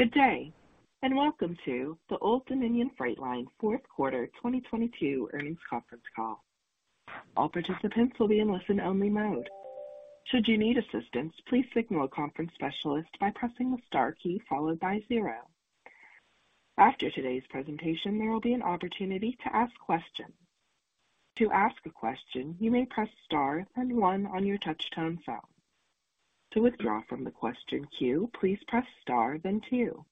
Good day, welcome to the Old Dominion Freight Line fourth quarter 2022 earnings conference call. All participants will be in listen-only mode. Should you need assistance, please signal a conference specialist by pressing the star key followed by 0. After today's presentation, there will be an opportunity to ask questions. To ask a question, you may press Star then 1 on your touchtone phone. To withdraw from the question queue, please press Star then 2.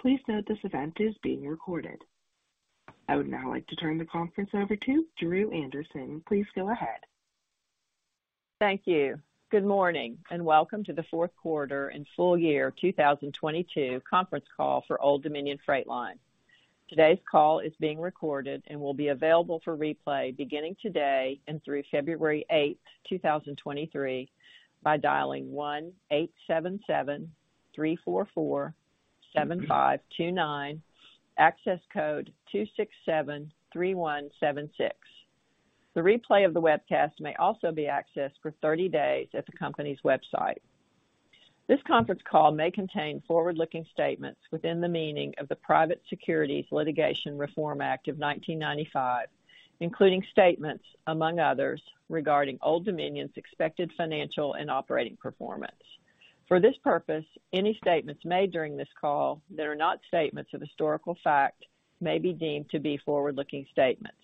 Please note this event is being recorded. I would now like to turn the conference over to Drew Andersen. Please go ahead. Thank you. Good morning and welcome to the fourth quarter and full year 2022 conference call for Old Dominion Freight Line. Today's call is being recorded and will be available for replay beginning today and through February 8, 2023 by dialing 1-877-344-7529, access code 2673176. The replay of the webcast may also be accessed for 30 days at the company's website. This conference call may contain forward-looking statements within the meaning of the Private Securities Litigation Reform Act of 1995, including statements, among others, regarding Old Dominion's expected financial and operating performance. For this purpose, any statements made during this call that are not statements of historical fact may be deemed to be forward-looking statements.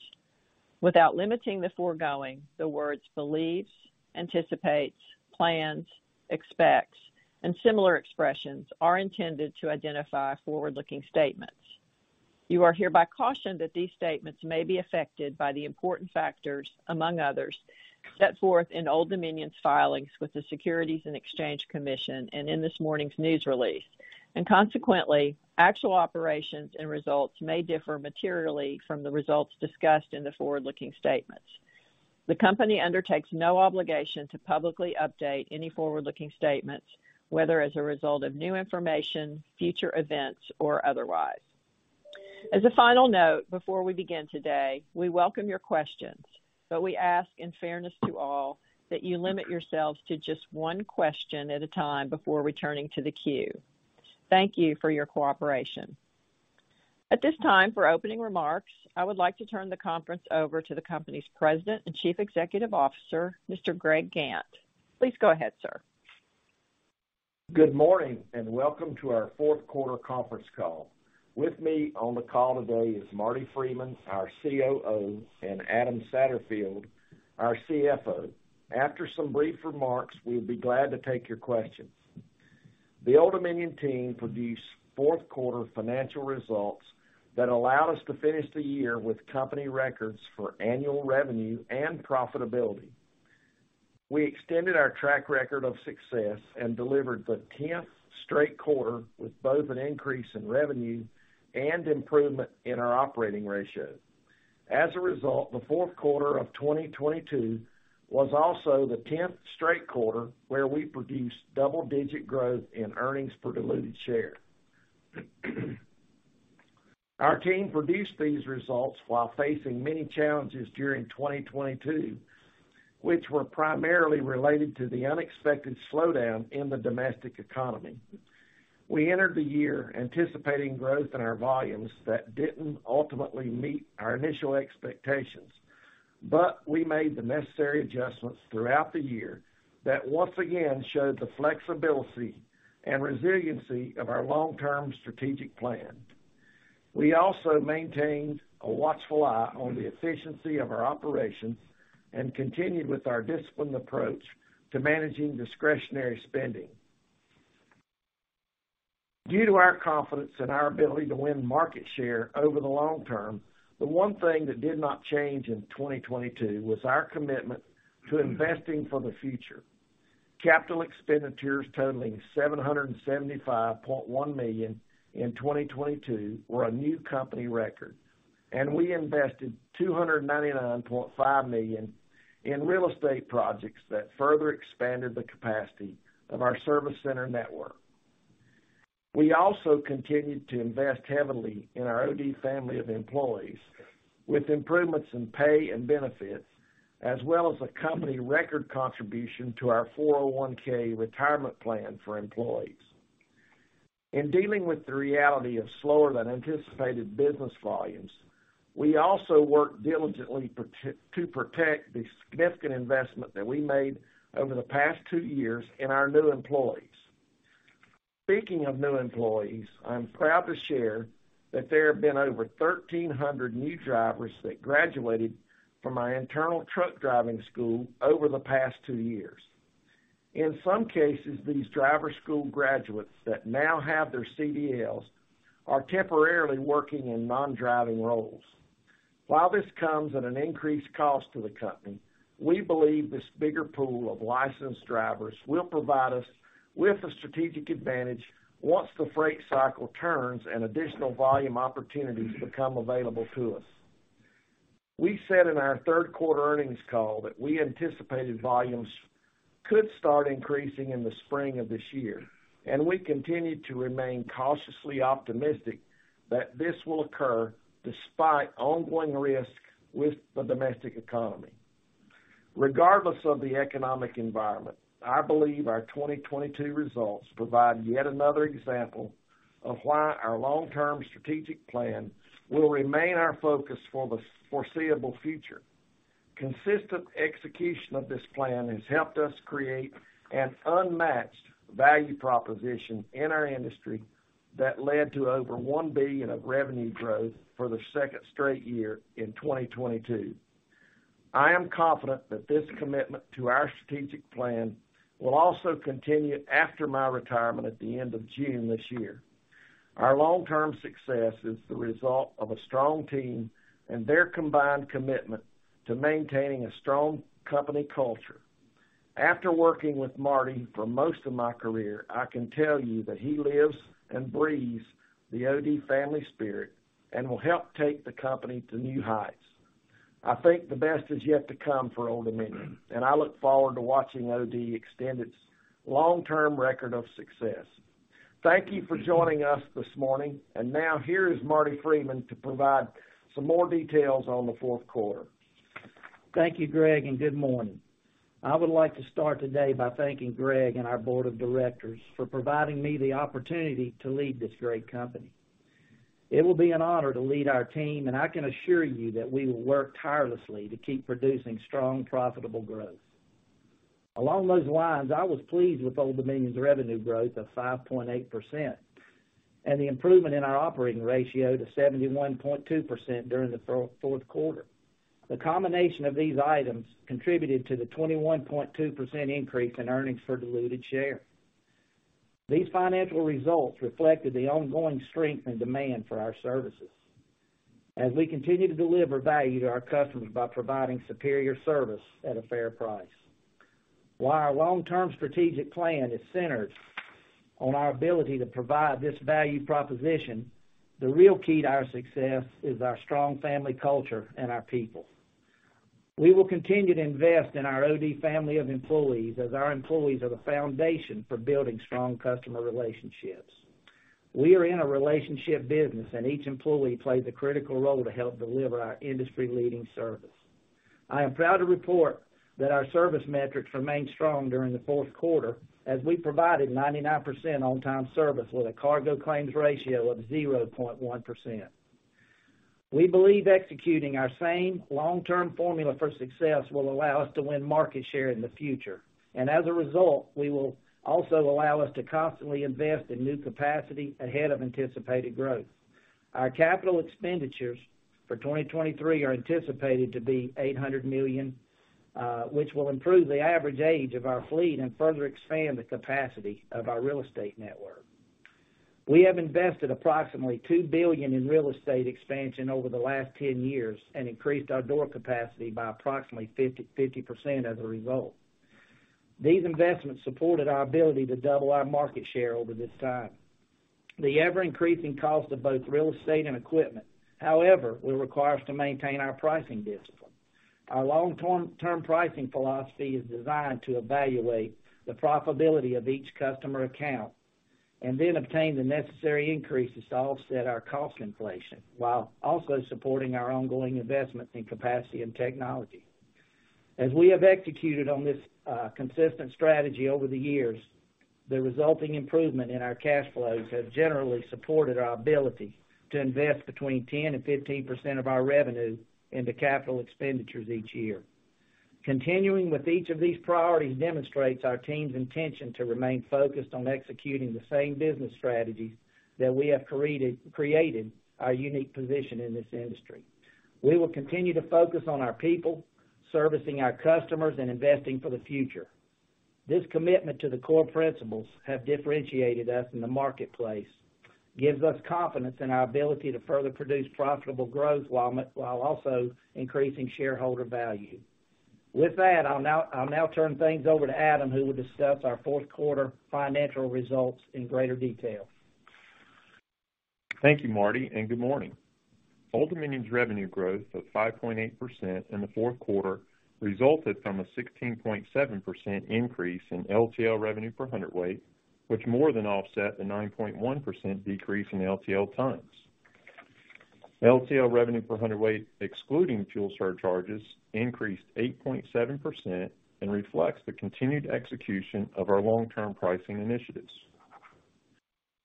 Without limiting the foregoing, the words believes, anticipates, plans, expects, and similar expressions are intended to identify forward-looking statements. You are hereby cautioned that these statements may be affected by the important factors, among others, set forth in Old Dominion's filings with the Securities and Exchange Commission and in this morning's news release. Consequently, actual operations and results may differ materially from the results discussed in the forward-looking statements. The Company undertakes no obligation to publicly update any forward-looking statements, whether as a result of new information, future events, or otherwise. As a final note, before we begin today, we welcome your questions, but we ask in fairness to all that you limit yourselves to just one question at a time before returning to the queue. Thank you for your cooperation. At this time, for opening remarks, I would like to turn the conference over to the company's President and Chief Executive Officer, Mr. Greg Gant. Please go ahead, sir. Good morning and welcome to our fourth quarter conference call. With me on the call today is Marty Freeman, our COO, and Adam Satterfield, our CFO. After some brief remarks, we'll be glad to take your questions. The Old Dominion team produced fourth quarter financial results that allowed us to finish the year with company records for annual revenue and profitability. We extended our track record of success and delivered the 10th straight quarter with both an increase in revenue and improvement in our operating ratio. As a result, the fourth quarter of 2022 was also the 10th straight quarter where we produced double-digit growth in earnings per diluted share. Our team produced these results while facing many challenges during 2022, which were primarily related to the unexpected slowdown in the domestic economy. We entered the year anticipating growth in our volumes that didn't ultimately meet our initial expectations. We made the necessary adjustments throughout the year that once again showed the flexibility and resiliency of our long-term strategic plan. We also maintained a watchful eye on the efficiency of our operations and continued with our disciplined approach to managing discretionary spending. Due to our confidence in our ability to win market share over the long term, the one thing that did not change in 2022 was our commitment to investing for the future. Capital expenditures totaling $775.1 million in 2022 were a new company record, and we invested $299.5 million in real estate projects that further expanded the capacity of our service center network. We also continued to invest heavily in our OD family of employees with improvements in pay and benefits, as well as a company record contribution to our 401(k) retirement plan for employees. In dealing with the reality of slower than anticipated business volumes, we also work diligently to protect the significant investment that we made over the past two years in our new employees. Speaking of new employees, I'm proud to share that there have been over 1,300 new drivers that graduated from our internal truck driving school over the past two years. In some cases, these driver school graduates that now have their CDLs are temporarily working in non-driving roles. While this comes at an increased cost to the company, we believe this bigger pool of licensed drivers will provide us with a strategic advantage once the freight cycle turns and additional volume opportunities become available to us. We said in our third quarter earnings call that we anticipated volumes could start increasing in the spring of this year. We continue to remain cautiously optimistic that this will occur despite ongoing risk with the domestic economy. Regardless of the economic environment, I believe our 2022 results provide yet another example of why our long-term strategic plan will remain our focus for the foreseeable future. Consistent execution of this plan has helped us create an unmatched value proposition in our industry that led to over $1 billion of revenue growth for the second straight year in 2022. I am confident that this commitment to our strategic plan will also continue after my retirement at the end of June this year. Our long-term success is the result of a strong team and their combined commitment to maintaining a strong company culture. After working with Marty for most of my career, I can tell you that he lives and breathes the OD family spirit and will help take the company to new heights. I think the best is yet to come for Old Dominion, and I look forward to watching OD extend its long-term record of success. Thank you for joining us this morning. Now here is Marty Freeman to provide some more details on the Thank you, Greg, and good morning. I would like to start today by thanking Greg and our board of directors for providing me the opportunity to lead this great company. It will be an honor to lead our team, and I can assure you that we will work tirelessly to keep producing strong, profitable growth. Along those lines, I was pleased with Old Dominion's revenue growth of 5.8% and the improvement in our operating ratio to 71.2% during the fourth quarter. The combination of these items contributed to the 21.2% increase in earnings per diluted share. These financial results reflected the ongoing strength and demand for our services as we continue to deliver value to our customers by providing superior service at a fair price. While our long-term strategic plan is centered on our ability to provide this value proposition, the real key to our success is our strong family culture and our people. We will continue to invest in our OD family of employees as our employees are the foundation for building strong customer relationships. We are in a relationship business, and each employee plays a critical role to help deliver our industry-leading service. I am proud to report that our service metrics remained strong during the fourth quarter as we provided 99% on-time service with a cargo claims ratio of 0.1%. We believe executing our same long-term formula for success will allow us to win market share in the future. As a result, we will also allow us to constantly invest in new capacity ahead of anticipated growth. Our capital expenditures for 2023 are anticipated to be $800 million, which will improve the average age of our fleet and further expand the capacity of our real estate network. We have invested approximately $2 billion in real estate expansion over the last 10 years and increased our door capacity by approximately 50% as a result. These investments supported our ability to double our market share over this time. The ever-increasing cost of both real estate and equipment, however, will require us to maintain our pricing discipline. Our long-term pricing philosophy is designed to evaluate the profitability of each customer account and then obtain the necessary increases to offset our cost inflation, while also supporting our ongoing investments in capacity and technology. As we have executed on this consistent strategy over the years, the resulting improvement in our cash flows have generally supported our ability to invest between 10% and 15% of our revenue into capital expenditures each year. Continuing with each of these priorities demonstrates our team's intention to remain focused on executing the same business strategies that we have created our unique position in this industry. We will continue to focus on our people, servicing our customers, and investing for the future. This commitment to the core principles have differentiated us in the marketplace, gives us confidence in our ability to further produce profitable growth, while also increasing shareholder value. With that, I'll now turn things over to Adam, who will discuss our fourth quarter financial results in greater detail. Thank you, Marty, and good morning. Old Dominion's revenue growth of 5.8% in the fourth quarter resulted from a 16.7% increase in LTL revenue per hundredweight, which more than offset the 9.1% decrease in LTL tons. LTL revenue per hundredweight, excluding fuel surcharges, increased 8.7% and reflects the continued execution of our long-term pricing initiatives.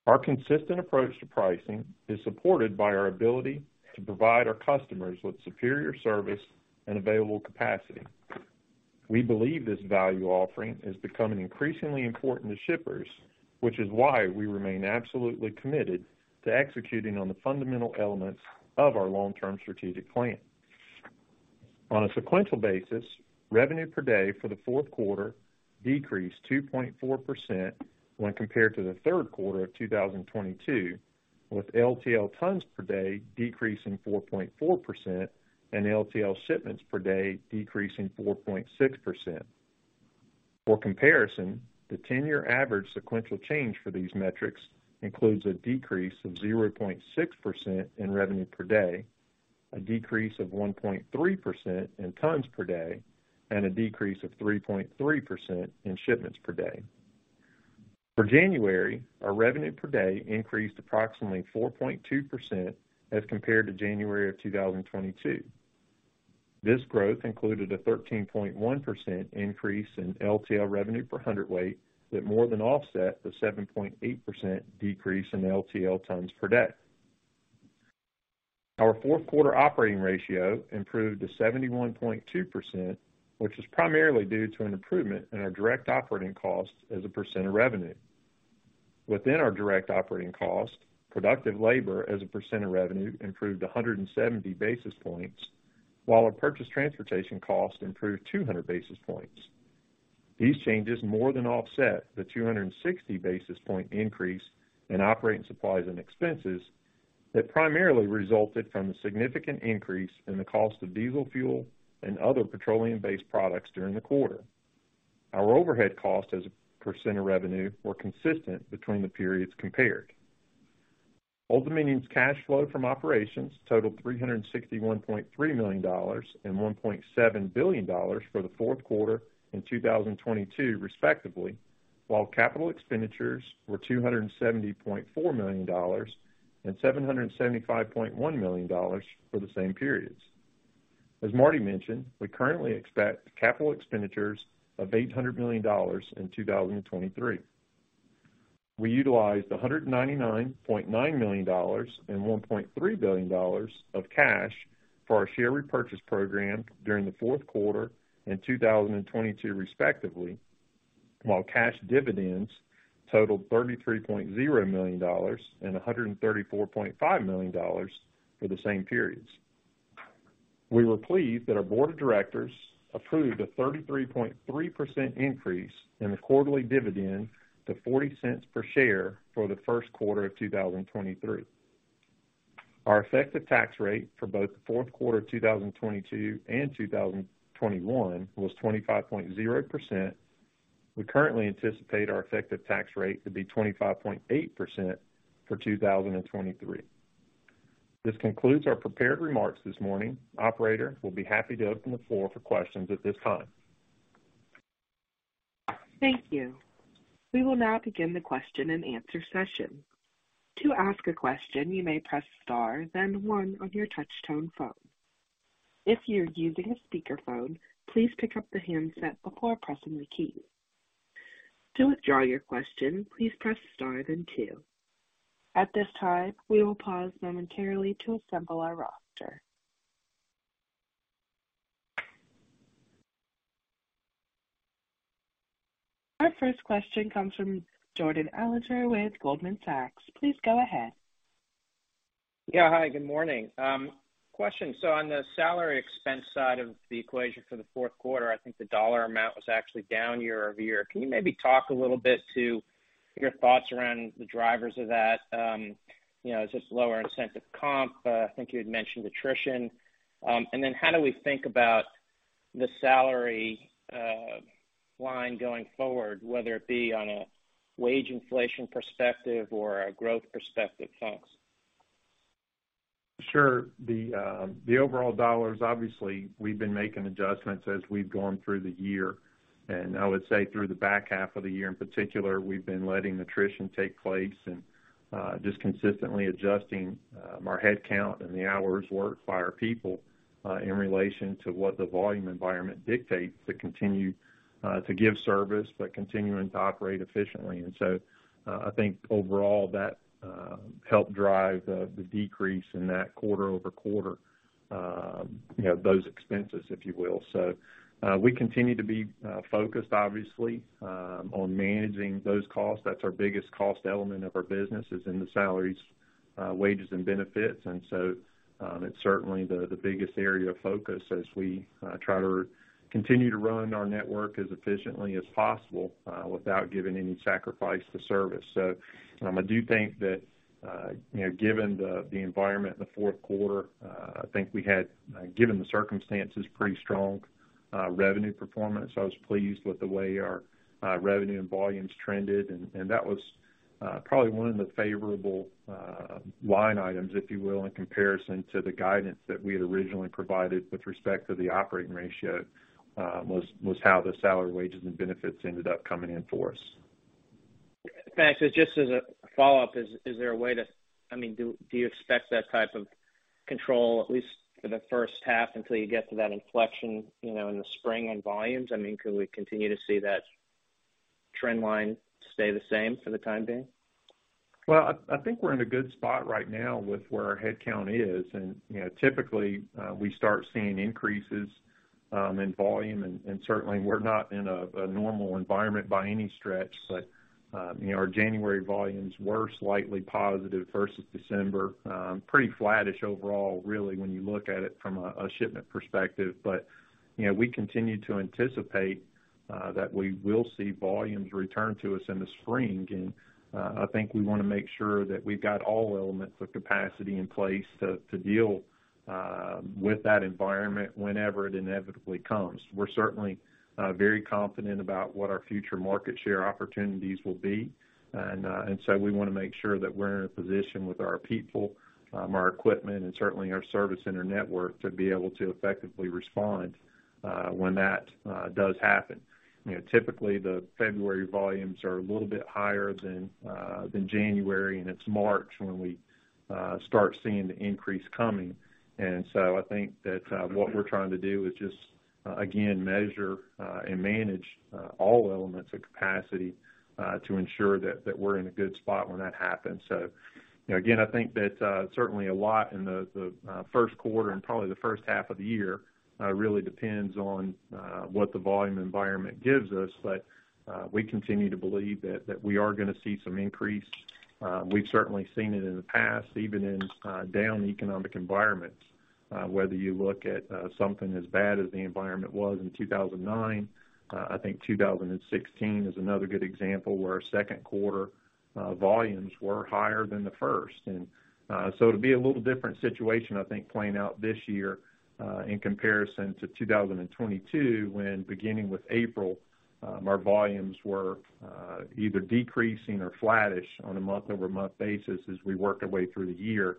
Our consistent approach to pricing is supported by our ability to provide our customers with superior service and available capacity. We believe this value offering is becoming increasingly important to shippers, which is why we remain absolutely committed to executing on the fundamental elements of our long-term strategic plan. On a sequential basis, revenue per day for the fourth quarter decreased 2.4% when compared to the third quarter of 2022, with LTL tons per day decreasing 4.4% and LTL shipments per day decreasing 4.6%. For comparison, the 10-year average sequential change for these metrics includes a decrease of 0.6% in revenue per day, a decrease of 1.3% in tons per day, and a decrease of 3.3% in shipments per day. For January, our revenue per day increased approximately 4.2% as compared to January of 2022. This growth included a 13.1% increase in LTL revenue per hundred weight that more than offset the 7.8% decrease in LTL tons per day. Our fourth quarter operating ratio improved to 71.2%, which is primarily due to an improvement in our direct operating costs as a percent of revenue. Within our direct operating cost, productive labor as a percent of revenue improved 170 basis points, while our purchase transportation cost improved 200 basis points. These changes more than offset the 260 basis point increase in operating supplies and expenses that primarily resulted from the significant increase in the cost of diesel fuel and other petroleum-based products during the quarter. Our overhead costs as a percent of revenue were consistent between the periods compared. Old Dominion's cash flow from operations totaled $361.3 million and $1.7 billion for the fourth quarter in 2022 respectively, while capital expenditures were $270.4 million and $775.1 million for the same periods. As Marty mentioned, we currently expect capital expenditures of $800 million in 2023. We utilized $199.9 million and $1.3 billion of cash for our share repurchase program during the fourth quarter in 2022 respectively, while cash dividends totaled $33.0 million and $134.5 million for the same periods. We were pleased that our board of directors approved a 33.3% increase in the quarterly dividend to $0.40 per share for the first quarter of 2023. Our effective tax rate for both the fourth quarter 2022 and 2021 was 25.0%. We currently anticipate our effective tax rate to be 25.8% for 2023. This concludes our prepared remarks this morning. Operator, we'll be happy to open the floor for questions at this time. Thank you. We will now begin the question-and-answer session. To ask a question, you may press star then 1 on your touchtone phone. If you're using a speakerphone, please pick up the handset before pressing the key. To withdraw your question, please press star then 2. At this time, we will pause momentarily to assemble our roster. Our first question comes from Jordan Alliger with Goldman Sachs. Please go ahead. Yeah. Hi, good morning. Question. On the salary expense side of the equation for the fourth quarter, I think the dollar amount was actually down year-over-year. Can you maybe talk a little bit to your thoughts around the drivers of that? You know, just lower incentive comp. I think you had mentioned attrition. How do we think about the salary line going forward, whether it be on a wage inflation perspective or a growth perspective? Thanks. Sure. The, the overall dollars, obviously, we've been making adjustments as we've gone through the year. I would say through the back half of the year in particular, we've been letting attrition take place and, just consistently adjusting, our headcount and the hours worked by our people, in relation to what the volume environment dictates to continue, to give service, but continuing to operate efficiently. I think overall, that, helped drive the decrease in that quarter-over-quarter, you know, those expenses, if you will. We continue to be, focused obviously, on managing those costs. That's our biggest cost element of our business is in the salaries, wages and benefits. It's certainly the biggest area of focus as we try to continue to run our network as efficiently as possible without giving any sacrifice to service. I do think that, you know, given the environment in the fourth quarter, I think we had given the circumstances, pretty strong revenue performance. I was pleased with the way our revenue and volumes trended. That was probably one of the favorable line items, if you will, in comparison to the guidance that we had originally provided with respect to the operating ratio, was how the salary, wages and benefits ended up coming in for us. Thanks. Just as a follow-up, is there a way to... I mean, do you expect that type of control, at least for the first half until you get to that inflection, you know, in the spring on volumes? I mean, could we continue to see that trend line stay the same for the time being? I think we're in a good spot right now with where our headcount is. You know, typically, we start seeing increases in volume, and certainly we're not in a normal environment by any stretch. You know, our January volumes were slightly positive versus December. Pretty flattish overall, really, when you look at it from a shipment perspective. You know, we continue to anticipate that we will see volumes return to us in the spring. I think we wanna make sure that we've got all elements of capacity in place to deal with that environment, whenever it inevitably comes. We're certainly very confident about what our future market share opportunities will be. We wanna make sure that we're in a position with our people, our equipment, and certainly our service center network to be able to effectively respond when that does happen. You know, typically, the February volumes are a little bit higher than January, and it's March when we start seeing the increase coming. I think that what we're trying to do is just again, measure and manage all elements of capacity to ensure that we're in a good spot when that happens. You know, again, I think that certainly a lot in the first quarter and probably the first half of the year really depends on what the volume environment gives us. We continue to believe that we are gonna see some increase. We've certainly seen it in the past, even in down economic environments. Whether you look at something as bad as the environment was in 2009, I think 2016 is another good example where our second quarter volumes were higher than the first. So it'll be a little different situation, I think, playing out this year, in comparison to 2022, when beginning with April, our volumes were either decreasing or flattish on a month-over-month basis as we worked our way through the year.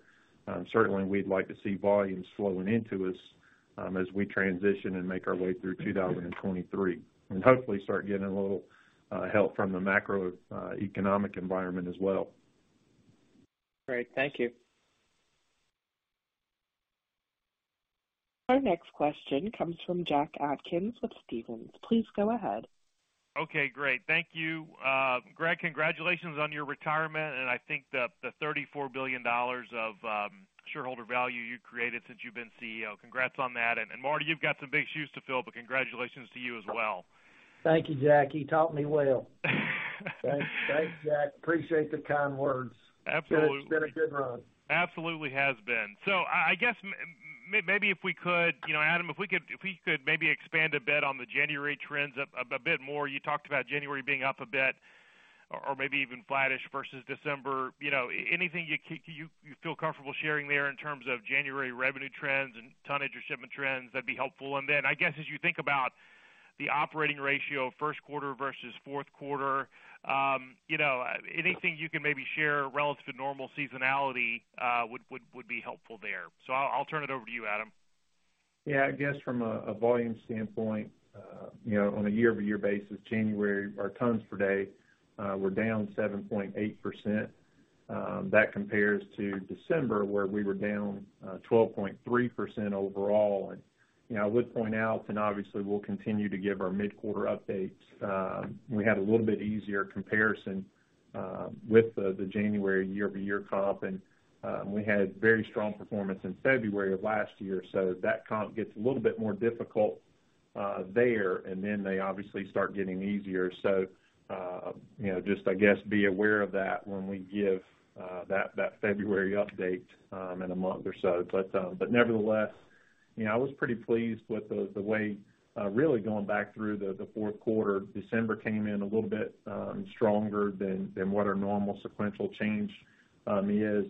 Certainly, we'd like to see volumes flowing into us, as we transition and make our way through 2023, and hopefully start getting a little help from the macroeconomic environment as well. Great. Thank you. Our next question comes from Jack Atkins with Stephens. Please go ahead. Okay, great. Thank you. Greg, congratulations on your retirement, and I think the $34 billion of shareholder value you created since you've been CEO. Congrats on that. Marty, you've got some big shoes to fill, but congratulations to you as well. Thank you, Jack. He taught me well. Thanks. Thanks, Jack. Appreciate the kind words. Absolutely. It's been a good run. Absolutely has been. I guess maybe if we could, you know, Adam, if we could maybe expand a bit on the January trends a bit more. You talked about January being up a bit or maybe even flattish versus December. You know, anything you feel comfortable sharing there in terms of January revenue trends and tonnage or shipment trends, that'd be helpful. I guess, as you think about the operating ratio, first quarter versus fourth quarter, you know, anything you can maybe share relative to normal seasonality would be helpful there. I'll turn it over to you, Adam. Yeah, I guess from a volume standpoint, you know, on a year-over-year basis, January, our tons per day were down 7.8%. That compares to December, where we were down 12.3% overall. You know, I would point out, and obviously we'll continue to give our mid-quarter updates, we had a little bit easier comparison with the January year-over-year comp, and we had very strong performance in February of last year. That comp gets a little bit more difficult there, and then they obviously start getting easier. You know, just, I guess, be aware of that when we give that February update in a month or so. Nevertheless, you know, I was pretty pleased with the way, really going back through the fourth quarter, December came in a little bit stronger than what our normal sequential change is.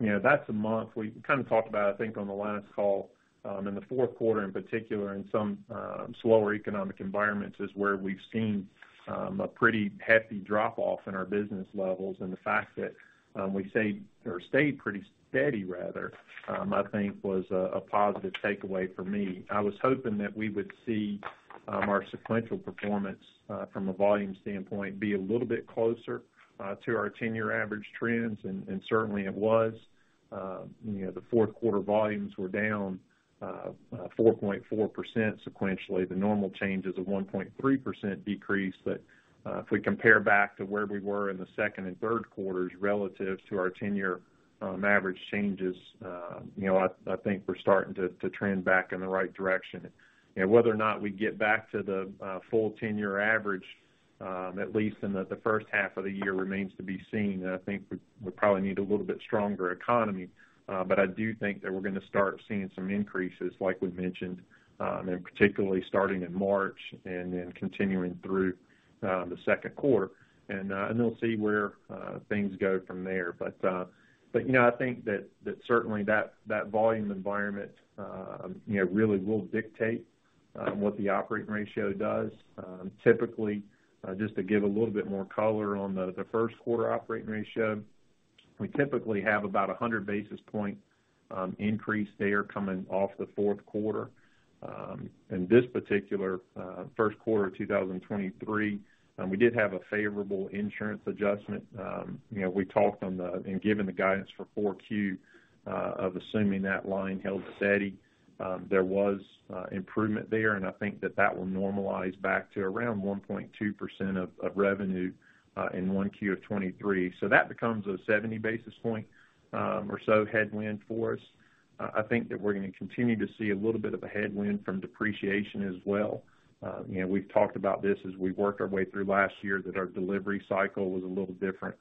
You know, that's a month we kind of talked about, I think on the last call, in the fourth quarter in particular, in some slower economic environments, is where we've seen a pretty hefty drop-off in our business levels. The fact that we say or stayed pretty steady rather, I think was a positive takeaway for me. I was hoping that we would see our sequential performance from a volume standpoint, be a little bit closer to our 10-year average trends, and certainly it was. You know, the 4th quarter volumes were down 4.4% sequentially. The normal change is a 1.3% decrease. If we compare back to where we were in the 2nd and 3rd quarters relative to our 10-year average changes, you know, I think we're starting to trend back in the right direction. You know, whether or not we get back to the full 10-year average, at least in the first half of the year, remains to be seen. I think we probably need a little bit stronger economy. I do think that we're gonna start seeing some increases, like we've mentioned, and particularly starting in March and then continuing through the 2nd quarter. We'll see where things go from there. You know, I think that certainly that volume environment, you know, really will dictate what the operating ratio does. Typically, just to give a little bit more color on the first quarter operating ratio, we typically have about a 100 basis point increase there coming off the fourth quarter. This particular first quarter 2023, we did have a favorable insurance adjustment. You know, we talked on and given the guidance for 4 Q of assuming that line held steady, there was improvement there, and I think that will normalize back to around 1.2% of revenue in 1 Q of 2023. That becomes a 70 basis point or so headwind for us. I think that we're gonna continue to see a little bit of a headwind from depreciation as well. You know, we've talked about this as we worked our way through last year, that our delivery cycle was a little different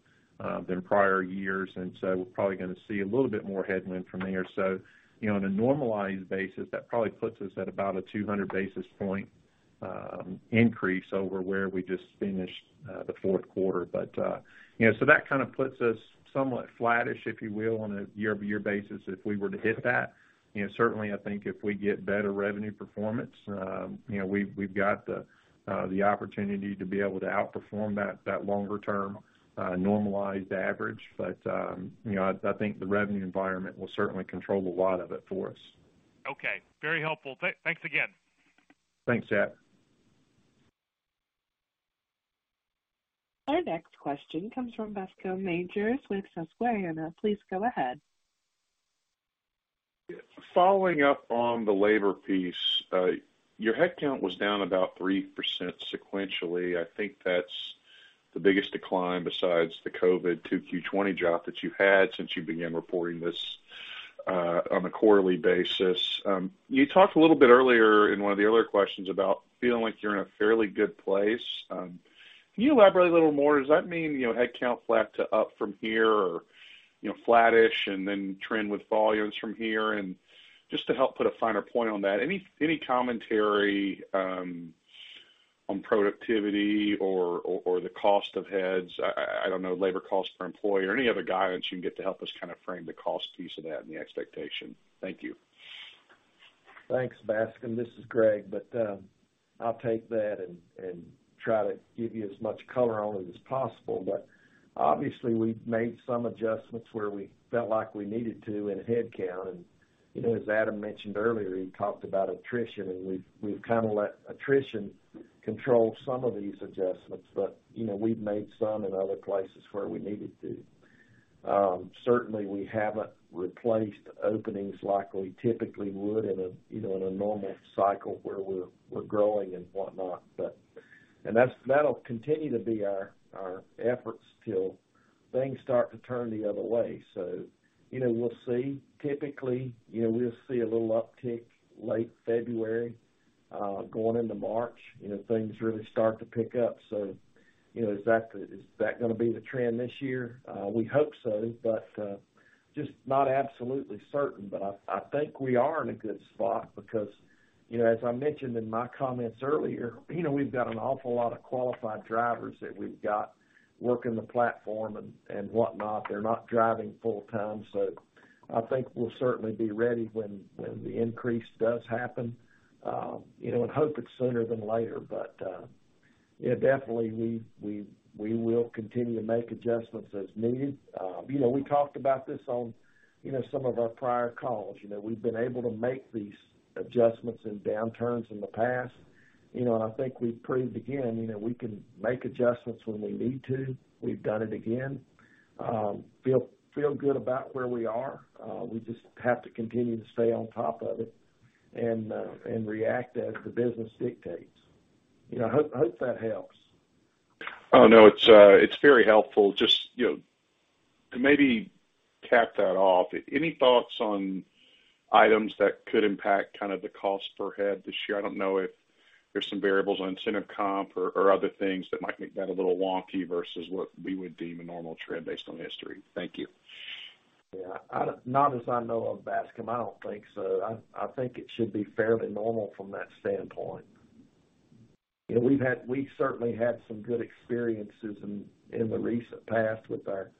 than prior years, we're probably gonna see a little bit more headwind from there. You know, on a normalized basis, that probably puts us at about a 200 basis point increase over where we just finished the fourth quarter. That kind of puts us somewhat flattish, if you will, on a year-over-year basis if we were to hit that. You know, certainly, I think if we get better revenue performance, you know, we've got the opportunity to be able to outperform that longer term normalized average. You know, I think the revenue environment will certainly control a lot of it for us. Okay. Very helpful. Thanks again. Thanks, Jack. Our next question comes from Bascome Majors with Susquehanna. Please go ahead. Following up on the labor piece, your headcount was down about 3% sequentially. I think that's the biggest decline besides the COVID 2Q 2020 drop that you had since you began reporting this on a quarterly basis. You talked a little bit earlier in one of the other questions about feeling like you're in a fairly good place. Can you elaborate a little more? Does that mean, you know, headcount flat to up from here or, you know, flattish, and then trend with volumes from here? Just to help put a finer point on that, any commentary on productivity or the cost of heads? I don't know, labor cost per employee or any other guidance you can get to help us kinda frame the cost piece of that and the expectation. Thank you. Thanks, Baskin. This is Greg. I'll take that and try to give you as much color on it as possible. Obviously, we've made some adjustments where we felt like we needed to in headcount. You know, as Adam mentioned earlier, he talked about attrition, and we've kinda let attrition control some of these adjustments. You know, we've made some in other places where we needed to. Certainly, we haven't replaced openings like we typically would in a, you know, in a normal cycle where we're growing and whatnot. That'll continue to be our efforts till things start to turn the other way. You know, we'll see. Typically, you know, we'll see a little uptick late February, going into March, you know, things really start to pick up. You know, is that gonna be the trend this year? We hope so, but just not absolutely certain. I think we are in a good spot because, you know, as I mentioned in my comments earlier, you know, we've got an awful lot of qualified drivers that we've got working the platform and whatnot. They're not driving full time, so I think we'll certainly be ready when the increase does happen, you know, and hope it's sooner than later. Yeah, definitely, we will continue to make adjustments as needed. You know, we talked about this on, you know, some of our prior calls. You know, we've been able to make these adjustments in downturns in the past. You know, I think we've proved again, you know, we can make adjustments when we need to. We've done it again. feel good about where we are. we just have to continue to stay on top of it and react as the business dictates. You know, hope that helps. Oh, no, it's very helpful. Just, you know, to maybe cap that off, any thoughts on items that could impact kind of the cost per head this year? I don't know if there's some variables on incentive comp or other things that might make that a little wonky versus what we would deem a normal trend based on history. Thank you. Yeah. Not as I know of, Baskin. I don't think so. I think it should be fairly normal from that standpoint. You know, we've certainly had some good experiences in the recent past with our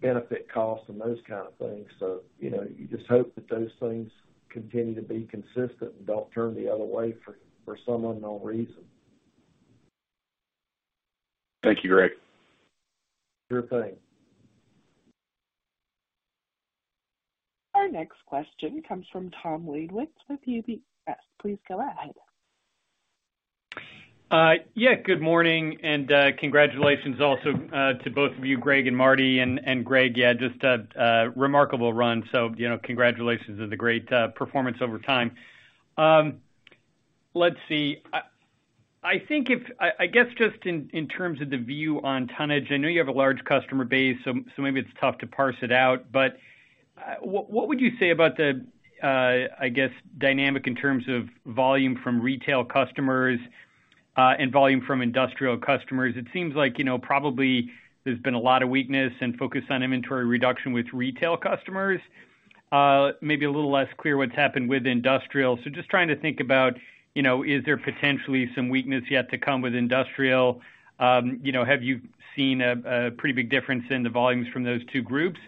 benefit costs and those kind of things. You know, you just hope that those things continue to be consistent and don't turn the other way for some unknown reason. Thank you, Greg. Sure thing. Our next question comes from Tom Wadewitz with UBS. Please go ahead. Yeah, good morning and congratulations also to both of you, Greg and Marty. Greg, yeah, just a remarkable run. You know, congratulations on the great performance over time. Let's see. I guess just in terms of the view on tonnage, I know you have a large customer base, so maybe it's tough to parse it out. What would you say about the I guess, dynamic in terms of volume from retail customers and volume from industrial customers? It seems like, you know, probably there's been a lot of weakness and focus on inventory reduction with retail customers. Maybe a little less clear what's happened with industrial. Just trying to think about, you know, is there potentially some weakness yet to come with industrial? You know, have you seen a pretty big difference in the volumes from those two groups?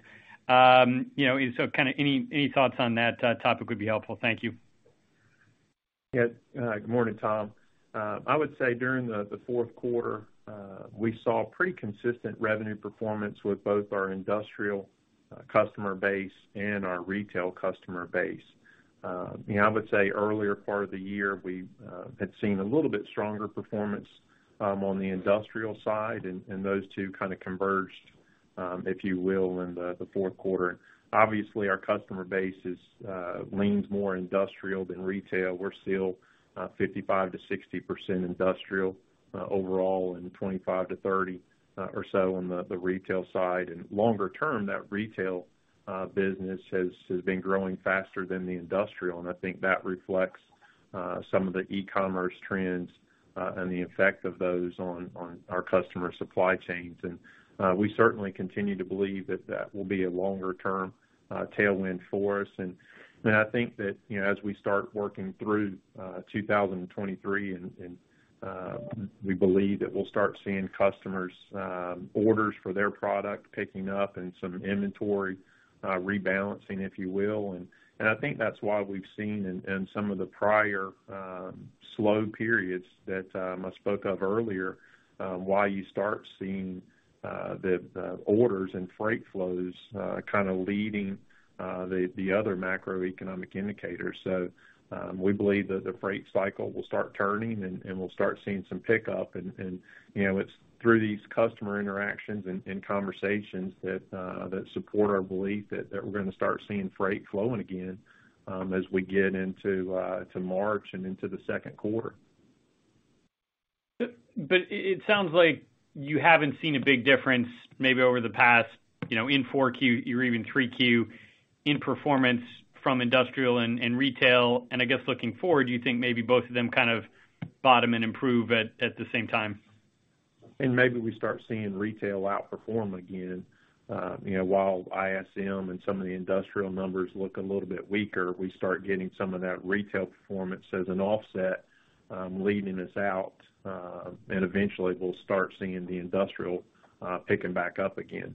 You know, kinda any thoughts on that topic would be helpful. Thank you. Yeah. Good morning, Tom. I would say during the fourth quarter, we saw pretty consistent revenue performance with both our industrial customer base and our retail customer base. You know, I would say earlier part of the year, we had seen a little bit stronger performance on the industrial side, and those two kind of converged, if you will, in the Q4. Obviously, our customer base is leans more industrial than retail. We're still 55%-60% industrial overall, and 25%-30% or so on the retail side. Longer term, that retail business has been growing faster than the industrial, and I think that reflects some of the e-commerce trends and the effect of those on our customer supply chains. We certainly continue to believe that that will be a longer-term tailwind for us. I think that, you know, as we start working through 2023, we believe that we'll start seeing customers' orders for their product picking up and some inventory rebalancing, if you will. I think that's why we've seen in some of the prior slow periods that I spoke of earlier, why you start seeing the orders and freight flows kinda leading the other macroeconomic indicators. We believe that the freight cycle will start turning and we'll start seeing some pickup. You know, it's through these customer interactions and conversations that support our belief that we're gonna start seeing freight flowing again, as we get into, to March and into the Q4. It sounds like you haven't seen a big difference maybe over the past, you know, in 4Q or even 3Q in performance from industrial and retail. I guess looking forward, do you think maybe both of them kind of bottom and improve at the same time? Maybe we start seeing retail outperform again. You know, while ISM and some of the industrial numbers look a little bit weaker, we start getting some of that retail performance as an offset, leading us out, and eventually we'll start seeing the industrial picking back up again.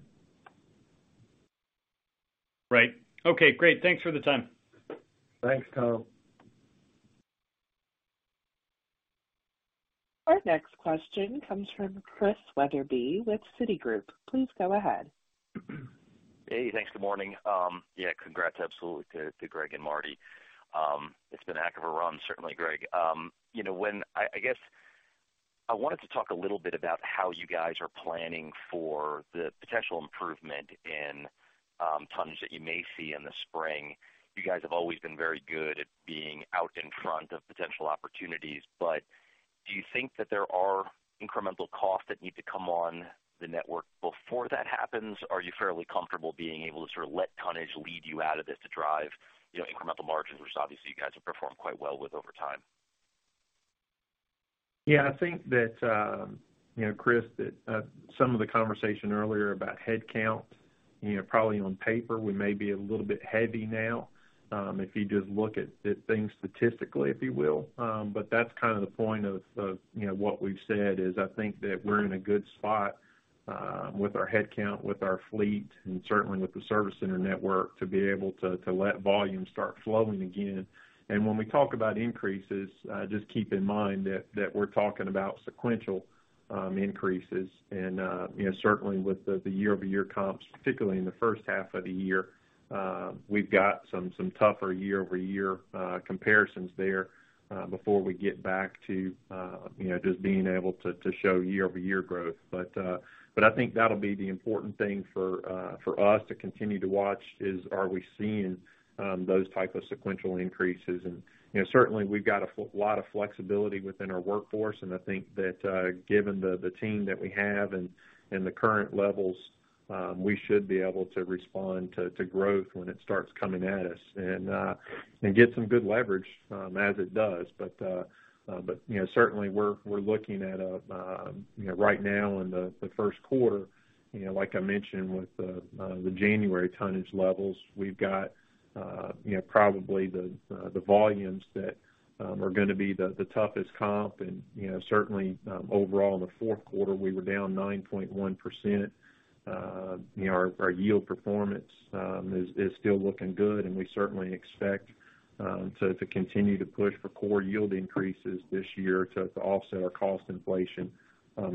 Right. Okay, great. Thanks for the time. Thanks, Kyle. Our next question comes from Christian Wetherbee with Citigroup. Please go ahead. Hey, thanks. Good morning. Yeah, congrats absolutely to Greg and Marty. It's been a heck of a run, certainly, Greg. You know I guess I wanted to talk a little bit about how you guys are planning for the potential improvement in tons that you may see in the spring. You guys have always been very good at being out in front of potential opportunities. Do you think that there are incremental costs that need to come on the network before that happens? Are you fairly comfortable being able to sort of let tonnage lead you out of this to drive, you know, incremental margins, which obviously you guys have performed quite well with over time? Yeah, I think that, you know, Chris, that some of the conversation earlier about headcount, you know, probably on paper, we may be a little bit heavy now, if you just look at things statistically, if you will. But that's kind of the point of, you know, what we've said is I think that we're in a good spot, with our headcount, with our fleet, and certainly with the service center network, to be able to let volume start flowing again. When we talk about increases, just keep in mind that we're talking about sequential increases. You know, certainly with the year-over-year comps, particularly in the first half of the year, we've got some tougher year-over-year comparisons there before we get back to, you know, just being able to show year-over-year growth. I think that'll be the important thing for us to continue to watch is, are we seeing those type of sequential increases? You know, certainly we've got a lot of flexibility within our workforce, and I think that, given the team that we have and the current levels, we should be able to respond to growth when it starts coming at us and get some good leverage as it does. You know, certainly we're looking at, you know, right now in the first quarter, you know, like I mentioned with the January tonnage levels, we've got, you know, probably the volumes that are gonna be the toughest comp. You know, certainly, overall in the fourth quarter, we were down 9.1%. You know, our yield performance is still looking good, and we certainly expect to continue to push for core yield increases this year to offset our cost inflation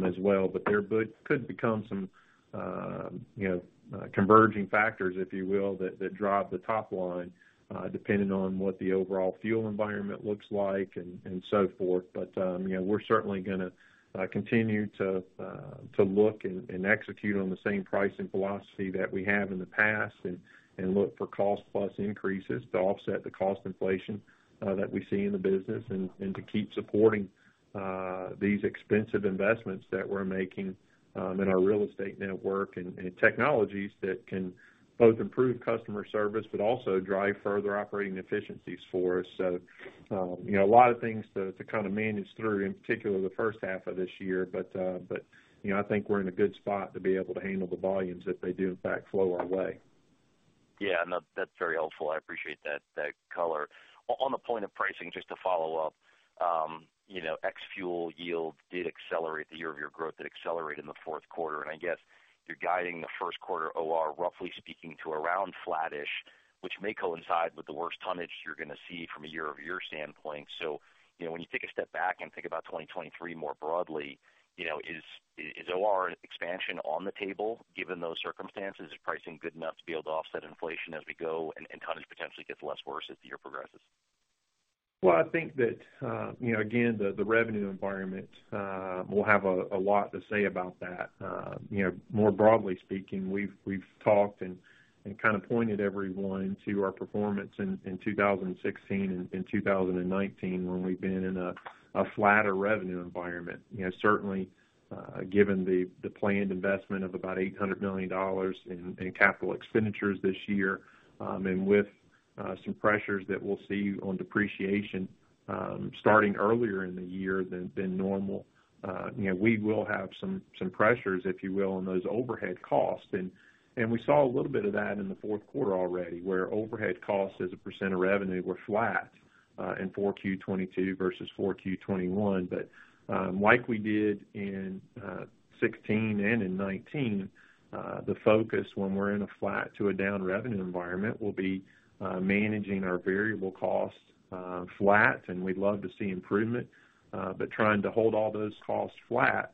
as well. There could become some, you know, converging factors, if you will, that drive the top line, depending on what the overall fuel environment looks like and so forth. you know, we're certainly gonna continue to look and execute on the same pricing philosophy that we have in the past and look for cost plus increases to offset the cost inflation that we see in the business and to keep supporting these expensive investments that we're making in our real estate network and technologies that can both improve customer service but also drive further operating efficiencies for us. you know, a lot of things to kind of manage through, in particular the first half of this year. but, you know, I think we're in a good spot to be able to handle the volumes if they do in fact flow our way. Yeah, no, that's very helpful. I appreciate that color. On the point of pricing, just to follow up, you know, ex-fuel yields did accelerate the year-over-year growth. It accelerated in the fourth quarter. I guess you're guiding the first quarter OR, roughly speaking, to around flattish, which may coincide with the worst tonnage you're gonna see from a year-over-year standpoint. You know, when you take a step back and think about 2023 more broadly, you know, is OR expansion on the table given those circumstances? Is pricing good enough to be able to offset inflation as we go and tonnage potentially gets less worse as the year progresses? Well, I think that, you know, again, the revenue environment will have a lot to say about that. You know, more broadly speaking, we've talked and kind of pointed everyone to our performance in 2016 and 2019 when we've been in a flatter revenue environment. You know, certainly, given the planned investment of about $800 million in capital expenditures this year, and with some pressures that we'll see on depreciation, starting earlier in the year than normal, you know, we will have some pressures, if you will, on those overhead costs. We saw a little bit of that in the fourth quarter already, where overhead costs as a % of revenue were flat in 4Q 2022 versus 4Q 2021. Like we did in 16 and in 19, the focus when we're in a flat to a down revenue environment will be managing our variable costs flat, and we'd love to see improvement, but trying to hold all those costs flat.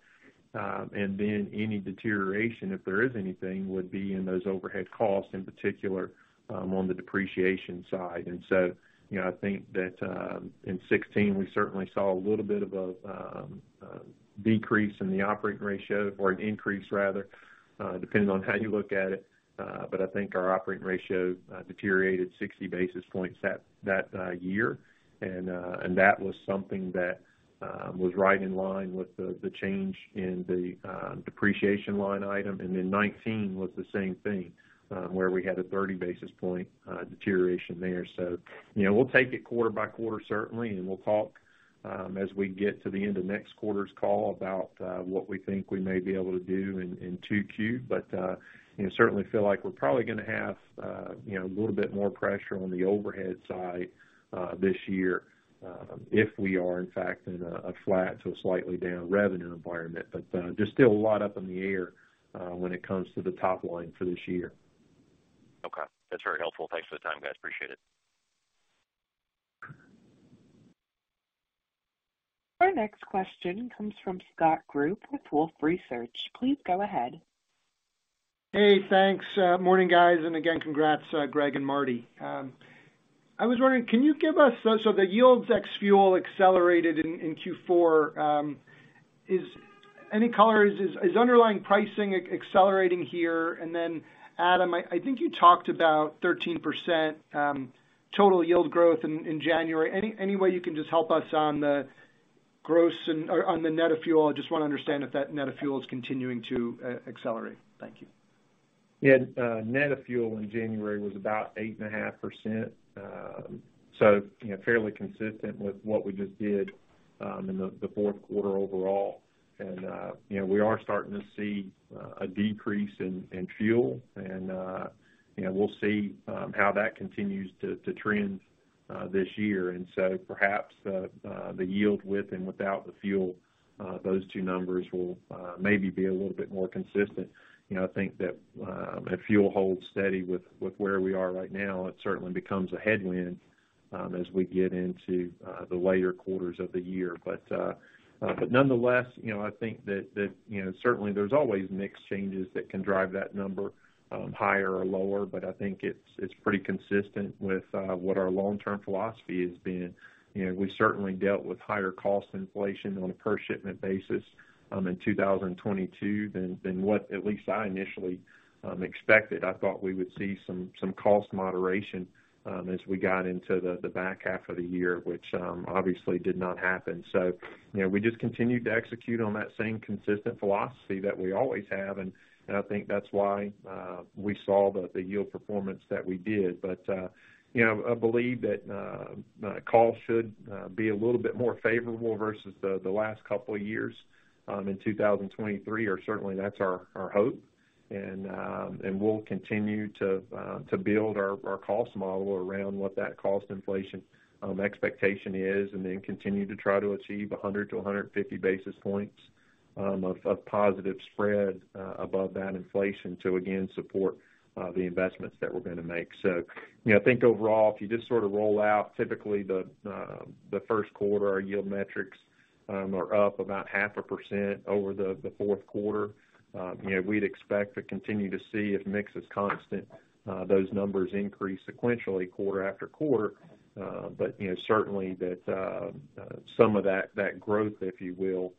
Any deterioration, if there is anything, would be in those overhead costs, in particular, on the depreciation side. You know, I think that in 16 we certainly saw a little bit of a decrease in the operating ratio or an increase rather, depending on how you look at it. I think our operating ratio deteriorated 60 basis points that year. That was something that was right in line with the change in the depreciation line item. Then 19 was the same thing, where we had a 30 basis point deterioration there. You know, we'll take it quarter by quarter certainly, and we'll talk as we get to the end of next quarter's call about what we think we may be able to do in 2Q. You know, certainly feel like we're probably gonna have, you know, a little bit more pressure on the overhead side this year, if we are in fact in a flat to a slightly down revenue environment. There's still a lot up in the air when it comes to the top line for this year. Okay. That's very helpful. Thanks for the time, guys. Appreciate it. Our next question comes from Scott Group with Wolfe Research. Please go ahead. Hey, thanks. Morning, guys. Again, congrats, Greg and Marty. I was wondering, can you give us, so the yields ex fuel accelerated in Q4. Is any color is underlying pricing accelerating here? Adam, I think you talked about 13% total yield growth in January. Any way you can just help us on the gross or, on the net of fuel? I just wanna understand if that net of fuel is continuing to accelerate. Thank you. Yeah. Net of fuel in January was about 8.5%. So, you know, fairly consistent with what we just did in the fourth quarter overall. You know, we are starting to see a decrease in fuel. You know, we'll see how that continues to trend this year. So perhaps the yield with and without the fuel, those two numbers will maybe be a little bit more consistent. You know, I think that if fuel holds steady with where we are right now, it certainly becomes a headwind as we get into the later quarters of the year. Nonetheless, you know, I think that, you know, certainly there's always mix changes that can drive that number, higher or lower, but I think it's pretty consistent with what our long-term philosophy has been. You know, we certainly dealt with higher cost inflation on a per shipment basis in 2022 than what at least I initially expected. I thought we would see some cost moderation as we got into the back half of the year, which obviously did not happen. You know, we just continued to execute on that same consistent philosophy that we always have, and I think that's why we saw the yield performance that we did. You know, I believe that cost should be a little bit more favorable versus the last couple of years in 2023, or certainly that's our hope. We'll continue to build our cost model around what that cost inflation expectation is, and then continue to try to achieve 100 to 150 basis points of positive spread above that inflation to again support the investments that we're gonna make. You know, I think overall, if you just sort of roll out typically the first quarter, our yield metrics are up about half a percent over the fourth quarter. You know, we'd expect to continue to see if mix is constant, those numbers increase sequentially quarter after quarter. You know, certainly that some of that growth, if you will,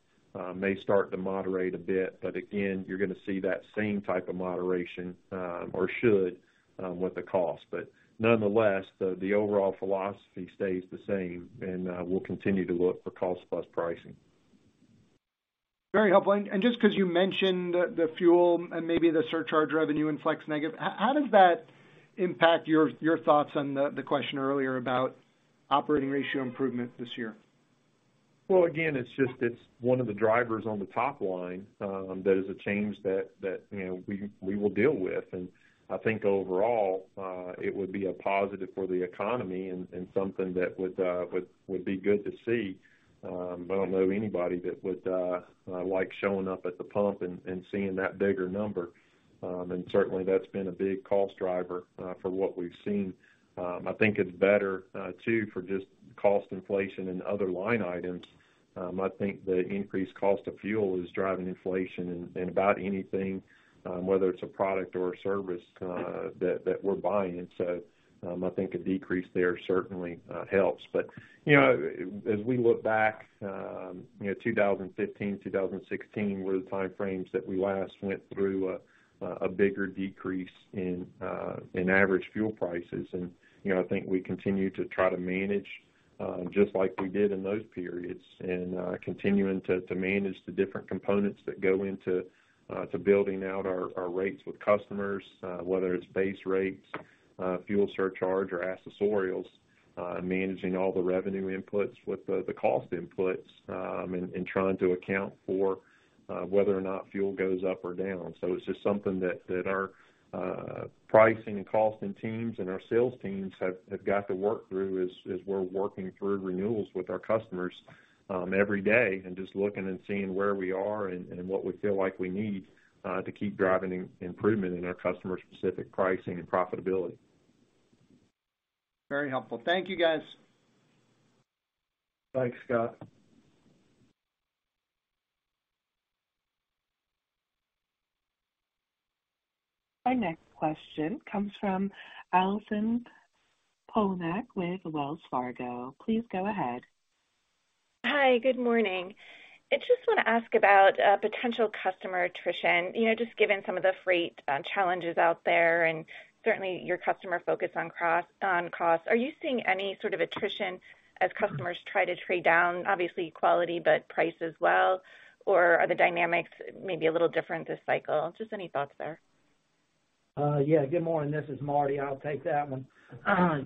may start to moderate a bit. Again, you're gonna see that same type of moderation, or should, with the cost. Nonetheless, the overall philosophy stays the same, and we'll continue to look for cost plus pricing. Very helpful. Just 'cause you mentioned the fuel and maybe the surcharge revenue in flex negative, how does that impact your thoughts on the question earlier about operating ratio improvement this year? Well, again, it's just, it's one of the drivers on the top line, that is a change that, you know, we will deal with. I think overall, it would be a positive for the economy and something that would be good to see. I don't know anybody that would, like showing up at the pump and seeing that bigger number. Certainly that's been a big cost driver, for what we've seen. I think it's better, too, for just cost inflation and other line items. I think the increased cost of fuel is driving inflation in about anything, whether it's a product or a service, that we're buying. I think a decrease there certainly, helps. you know, as we look back, you know, 2015, 2016 were the time frames that we last went through a bigger decrease in average fuel prices. you know, I think we continue to try to manage just like we did in those periods and continuing to manage the different components that go into to building out our rates with customers, whether it's base rates, fuel surcharge or accessorials, managing all the revenue inputs with the cost inputs, and trying to account for whether or not fuel goes up or down. It's just something that our pricing and costing teams and our sales teams have got to work through as we're working through renewals with our customers every day and just looking and seeing where we are and what we feel like we need to keep driving improvement in our customer-specific pricing and profitability. Very helpful. Thank you, guys. Thanks, Scott. Our next question comes from Allison Poliniak with Wells Fargo. Please go ahead. Hi. Good morning. I just want to ask about potential customer attrition. You know, just given some of the freight challenges out there, and certainly your customer focus on costs. Are you seeing any sort of attrition as customers try to trade down, obviously quality, but price as well? Or are the dynamics maybe a little different this cycle? Just any thoughts there? Yeah. Good morning. This is Marty. I'll take that one.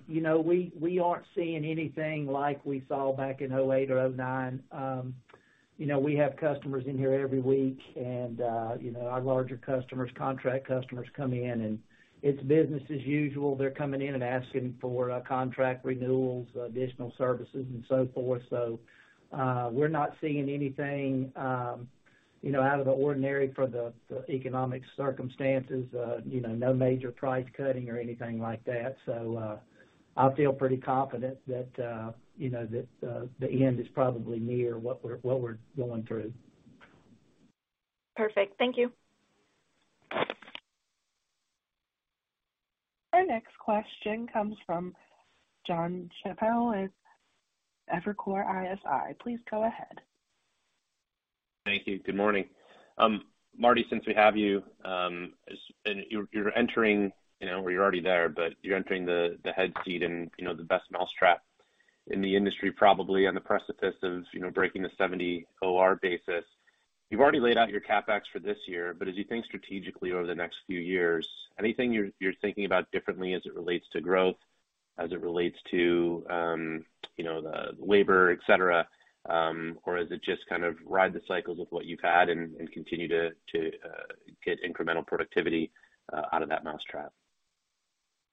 You know, we aren't seeing anything like we saw back in 2008 or 2009. You know, we have customers in here every week, you know, our larger customers, contract customers come in, and it's business as usual. They're coming in and asking for contract renewals, additional services and so forth. We're not seeing anything, you know, out of the ordinary for the economic circumstances, you know, no major price cutting or anything like that. I feel pretty confident that, you know, that the end is probably near what we're going through. Perfect. Thank you. Our next question comes from Jonathan Chappell with Evercore ISI. Please go ahead. Thank you. Good morning. Marty, since we have you, as you're entering, you know, well, you're already there, but you're entering the head seat and, you know, the best mousetrap in the industry, probably on the precipice of, you know, breaking the 70 OR basis. You've already laid out your CapEx for this year. As you think strategically over the next few years, anything you're thinking about differently as it relates to growth, as it relates to, you know, the labor, et cetera? Is it just kind of ride the cycles with what you've had and continue to get incremental productivity out of that mousetrap?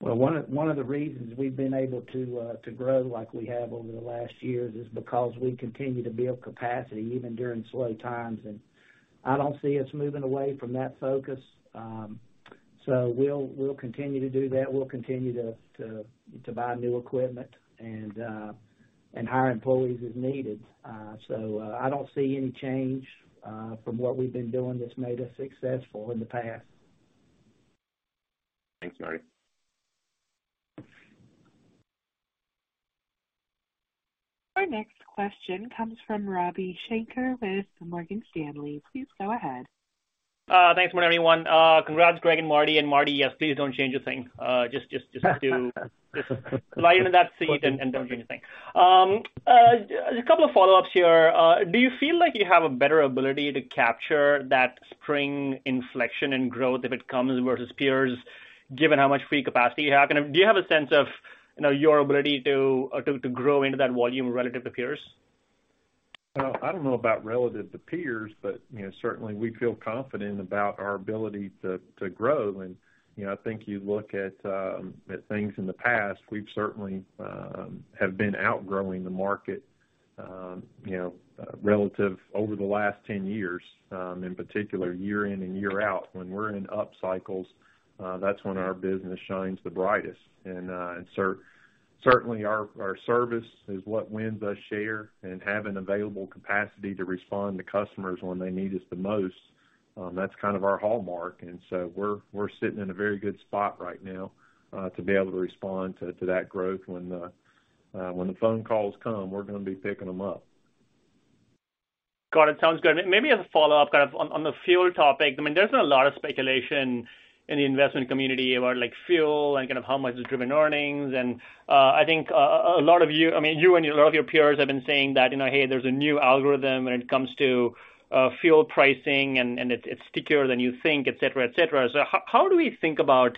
Well, one of the reasons we've been able to grow like we have over the last years is because we continue to build capacity even during slow times. I don't see us moving away from that focus. So we'll continue to do that. We'll continue to buy new equipment and hire employees as needed. So I don't see any change from what we've been doing that's made us successful in the past. Thanks, Marty. Our next question comes from Ravi Shanker with Morgan Stanley. Please go ahead. Thanks morning, everyone. Congrats Greg and Marty. Marty, yes, please don't change a thing. Just lie in that seat and don't change a thing. Just a couple of follow-ups here. Do you feel like you have a better ability to capture that spring inflection in growth if it comes versus peers, given how much free capacity you have? Do you have a sense of, you know, your ability to grow into that volume relative to peers? Well, I don't know about relative to peers, but, you know, certainly we feel confident about our ability to grow. You know, I think you look at things in the past, we've certainly have been outgrowing the market, you know, relative over the last 10 years, in particular, year in and year out. When we're in up cycles, that's when our business shines the brightest. Certainly our service is what wins us share and having available capacity to respond to customers when they need us the most, that's kind of our hallmark. We're sitting in a very good spot right now to be able to respond to that growth. When the phone calls come, we're gonna be picking them up. Got it. Sounds good. Maybe as a follow-up, kind of on the fuel topic. I mean, there's been a lot of speculation in the investment community about like fuel and kind of how much it's driven earnings. I think a lot of you, I mean, you and a lot of your peers have been saying that, you know, hey, there's a new algorithm when it comes to fuel pricing and it's stickier than you think, et cetera, et cetera. How, how do we think about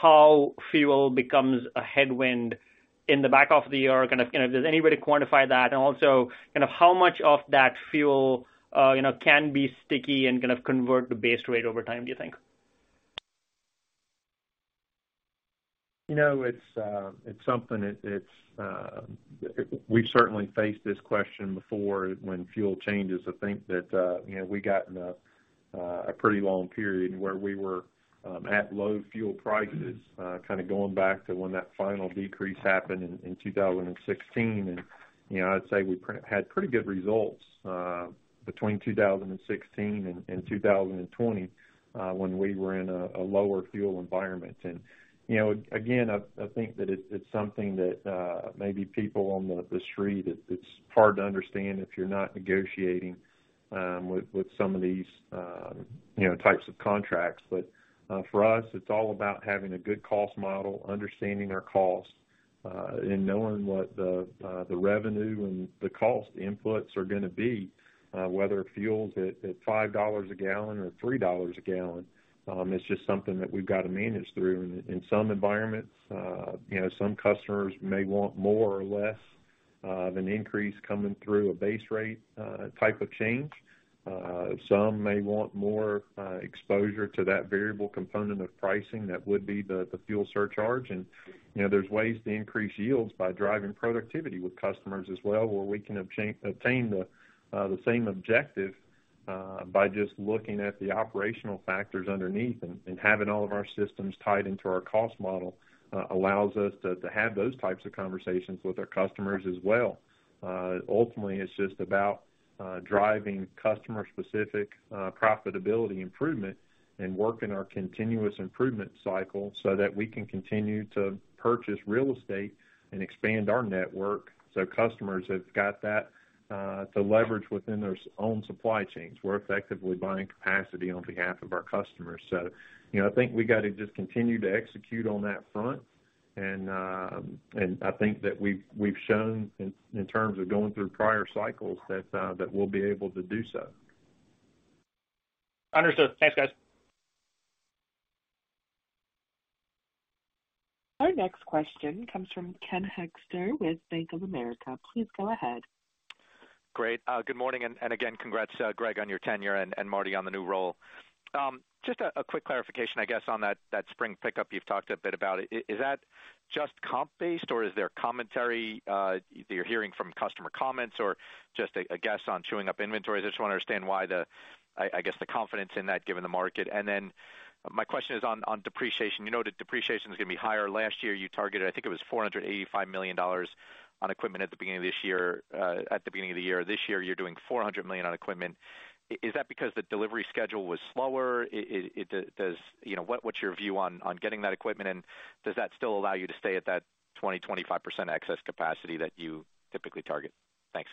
how fuel becomes a headwind in the back half of the year? Kind of, you know, does anybody quantify that? Also, kind of how much of that fuel, you know, can be sticky and kind of convert to base rate over time, do you think? You know, it's something that it's, we've certainly faced this question before when fuel changes. I think that, you know, we got in a pretty long period where we were at low fuel prices, kinda going back to when that final decrease happened in 2016. You know, I'd say we had pretty good results, between 2016 and 2020, when we were in a lower fuel environment. You know, again, I think that it's something that, maybe people on the street, it's hard to understand if you're not negotiating with some of these, you know, types of contracts. For us, it's all about having a good cost model, understanding our costs, and knowing what the revenue and the cost inputs are gonna be, whether fuel's at $5 a gallon or $3 a gallon. It's just something that we've got to manage through. In some environments, you know, some customers may want more or less of an increase coming through a base rate type of change. Some may want more exposure to that variable component of pricing that would be the fuel surcharge. You know, there's ways to increase yields by driving productivity with customers as well, where we can obtain the same objective by just looking at the operational factors underneath. Having all of our systems tied into our cost model, allows us to have those types of conversations with our customers as well. Ultimately, it's just about driving customer-specific profitability improvement and working our continuous improvement cycle so that we can continue to purchase real estate and expand our network so customers have got that to leverage within their own supply chains. We're effectively buying capacity on behalf of our customers. You know, I think we got to just continue to execute on that front. I think that we've shown in terms of going through prior cycles that we'll be able to do so. Understood. Thanks, guys. Our next question comes from Ken Hoexter with Bank of America. Please go ahead. Great. Good morning, again, congrats, Greg, on your tenure and Marty on the new role. Just a quick clarification, I guess, on that spring pickup you've talked a bit about. Is that just comp-based or is there commentary that you're hearing from customer comments or just a guess on chewing up inventory? I just want to understand why the confidence in that given the market. My question is on depreciation. You know that depreciation is going to be higher. Last year, you targeted, I think it was $485 million on equipment at the beginning of this year, at the beginning of the year. This year, you're doing $400 million on equipment. Is that because the delivery schedule was slower? You know, what's your view on getting that equipment? Does that still allow you to stay at that 20, 25% excess capacity that you typically target? Thanks.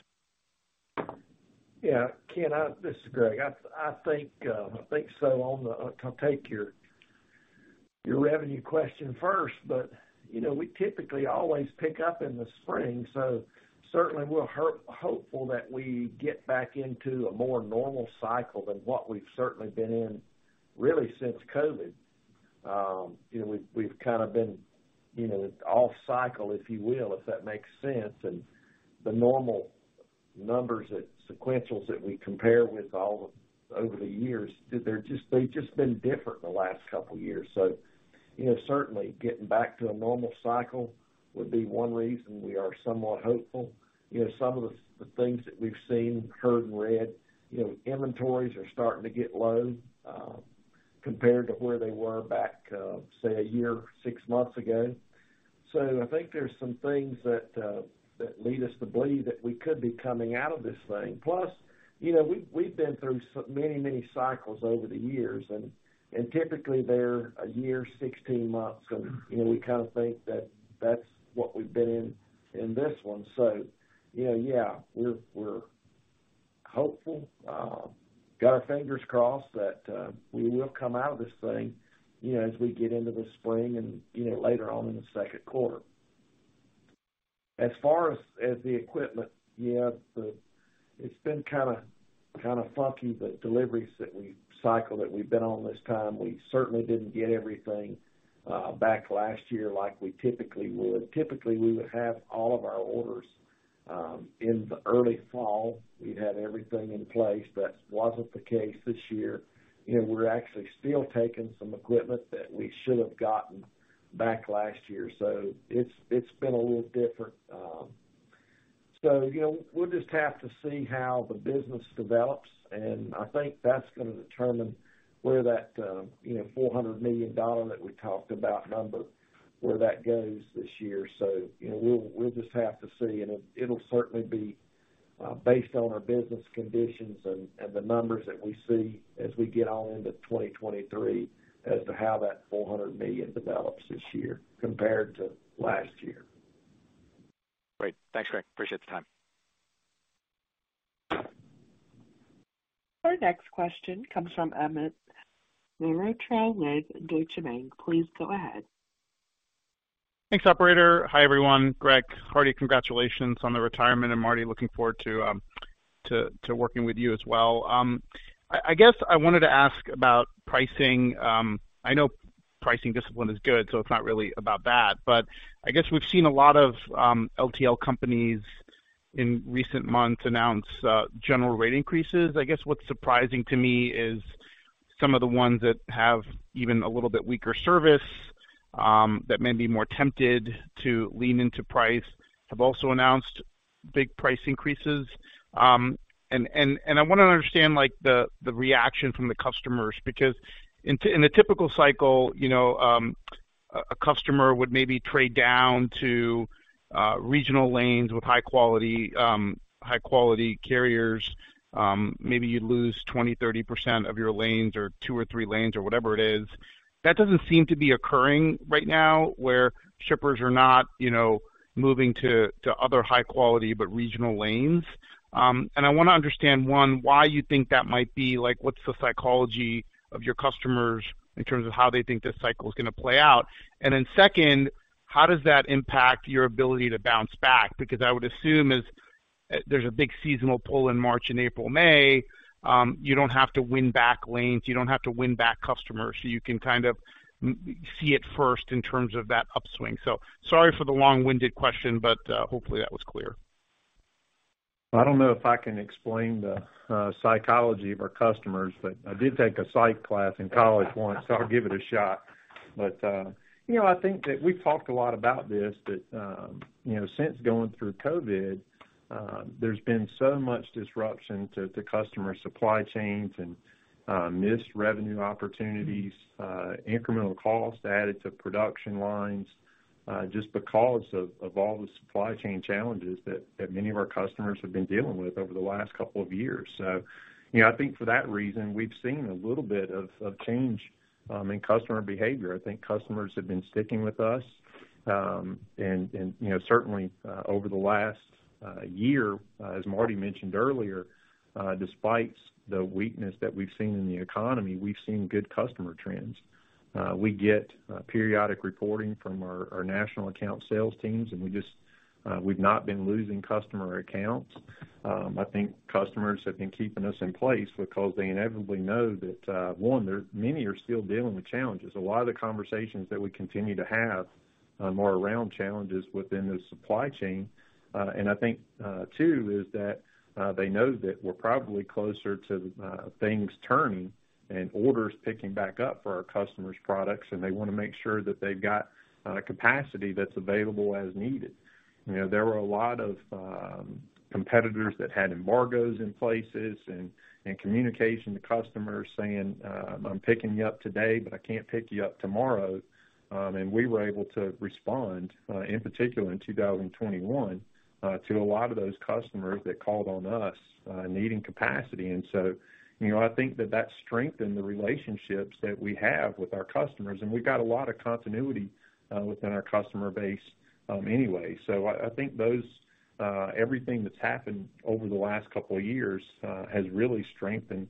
Yeah. Ken, this is Greg. I think so. To take your revenue question first, you know, we typically always pick up in the spring, certainly we're hopeful that we get back into a more normal cycle than what we've certainly been in really since COVID. You know, we've kind of been, you know, off cycle, if you will, if that makes sense. The normal numbers at sequentials that we compare with over the years, they've just been different the last couple years. You know, certainly getting back to a normal cycle would be one reason we are somewhat hopeful. You know, some of the things that we've seen, heard, and read, you know, inventories are starting to get low, compared to where they were back, say, 1 year, 6 months ago. I think there's some things that lead us to believe that we could be coming out of this thing. Plus, you know, we've been through many cycles over the years and, typically, they're 1 year, 16 months. You know, we kind of think that that's what we've been in this one. You know, yeah, we're hopeful. Got our fingers crossed that we will come out of this thing, you know, as we get into the spring and, you know, later on in the Q2. As far as the equipment, yeah, it's been kinda funky, the deliveries that we've cycled, that we've been on this time. We certainly didn't get everything back last year like we typically would. Typically, we would have all of our orders in the early fall. We'd have everything in place. That wasn't the case this year. You know, we're actually still taking some equipment that we should have gotten back last year. It's been a little different. You know, we'll just have to see how the business develops, and I think that's gonna determine where that, you know, $400 million that we talked about number, where that goes this year. You know, we'll just have to see, and it'll certainly be based on our business conditions and the numbers that we see as we get on into 2023 as to how that $400 million develops this year compared to last year. Great. Thanks, Greg. Appreciate the time. Our next question comes from Amit Mehrotra with Deutsche Bank. Please go ahead. Thanks, operator. Hi, everyone. Greg, hearty congratulations on the retirement, and Marty, looking forward to working with you as well. I guess I wanted to ask about pricing. I know pricing discipline is good, so it's not really about that. I guess we've seen a lot of LTL companies in recent months announce general rate increases. I guess what's surprising to me is some of the ones that have even a little bit weaker service, that may be more tempted to lean into price, have also announced big price increases. I wanna understand the reaction from the customers, because in a typical cycle, you know, A customer would maybe trade down to regional lanes with high quality carriers. Maybe you'd lose 20%, 30% of your lanes or 2 or 3 lanes or whatever it is. That doesn't seem to be occurring right now, where shippers are not, you know, moving to other high quality, but regional lanes. I wanna understand, one, why you think that might be like, what's the psychology of your customers in terms of how they think this cycle is gonna play out? Second, how does that impact your ability to bounce back? Because I would assume as there's a big seasonal pull in March and April, May, you don't have to win back lanes, you don't have to win back customers, so you can kind of see it first in terms of that upswing. Sorry for the long-winded question, but hopefully that was clear. I don't know if I can explain the psychology of our customers, but I did take a psych class in college once, so I'll give it a shot. You know, I think that we've talked a lot about this, that, you know, since going through COVID, there's been so much disruption to customer supply chains and missed revenue opportunities, incremental cost added to production lines, just because of all the supply chain challenges that many of our customers have been dealing with over the last couple of years. You know, I think for that reason, we've seen a little bit of change in customer behavior. I think customers have been sticking with us. You know, certainly, over the last year, as Marty mentioned earlier, despite the weakness that we've seen in the economy, we've seen good customer trends. We get periodic reporting from our national account sales teams, and we just, we've not been losing customer accounts. I think customers have been keeping us in place because they inevitably know that, one, many are still dealing with challenges. A lot of the conversations that we continue to have are more around challenges within the supply chain. I think, two is that, they know that we're probably closer to things turning and orders picking back up for our customers' products, and they wanna make sure that they've got capacity that's available as needed. You know, there were a lot of competitors that had embargoes in places and communication to customers saying, "I'm picking you up today, but I can't pick you up tomorrow." We were able to respond in particular in 2021 to a lot of those customers that called on us needing capacity. You know, I think that that strengthened the relationships that we have with our customers, and we've got a lot of continuity within our customer base anyway. I think everything that's happened over the last couple of years has really strengthened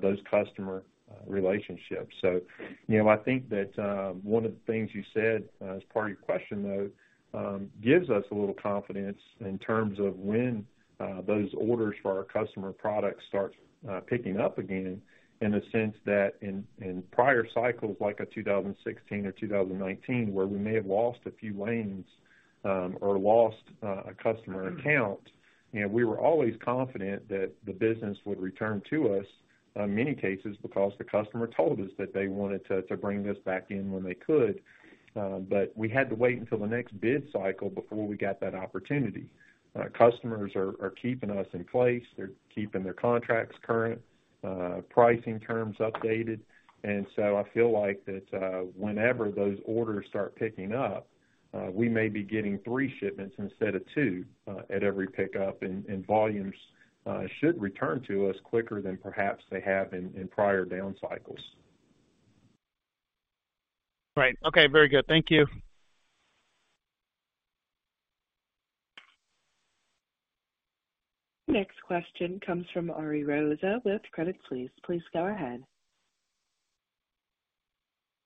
those customer relationships. You know, I think that one of the things you said as part of your question, though, gives us a little confidence in terms of when those orders for our customer products start picking up again, in a sense that in prior cycles like a 2016 or 2019, where we may have lost a few lanes or lost a customer account, you know, we were always confident that the business would return to us in many cases because the customer told us that they wanted to bring us back in when they could. We had to wait until the next bid cycle before we got that opportunity. Customers are keeping us in place. They're keeping their contracts current, pricing terms updated. I feel like that, whenever those orders start picking up, we may be getting 3 shipments instead of 2, at every pickup, and volumes should return to us quicker than perhaps they have in prior down cycles. Right. Okay. Very good. Thank you. Next question comes from Ariel Rosa with Credit Suisse. Please go ahead.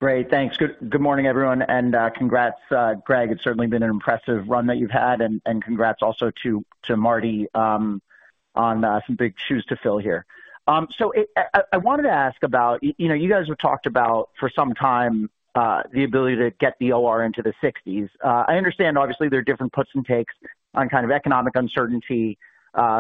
Great. Thanks. Good morning, everyone. Congrats, Greg. It's certainly been an impressive run that you've had, and congrats also to Marty on some big shoes to fill here. I wanted to ask about, you know, you guys have talked about for some time, the ability to get the OR into the 60s. I understand obviously there are different puts and takes on kind of economic uncertainty,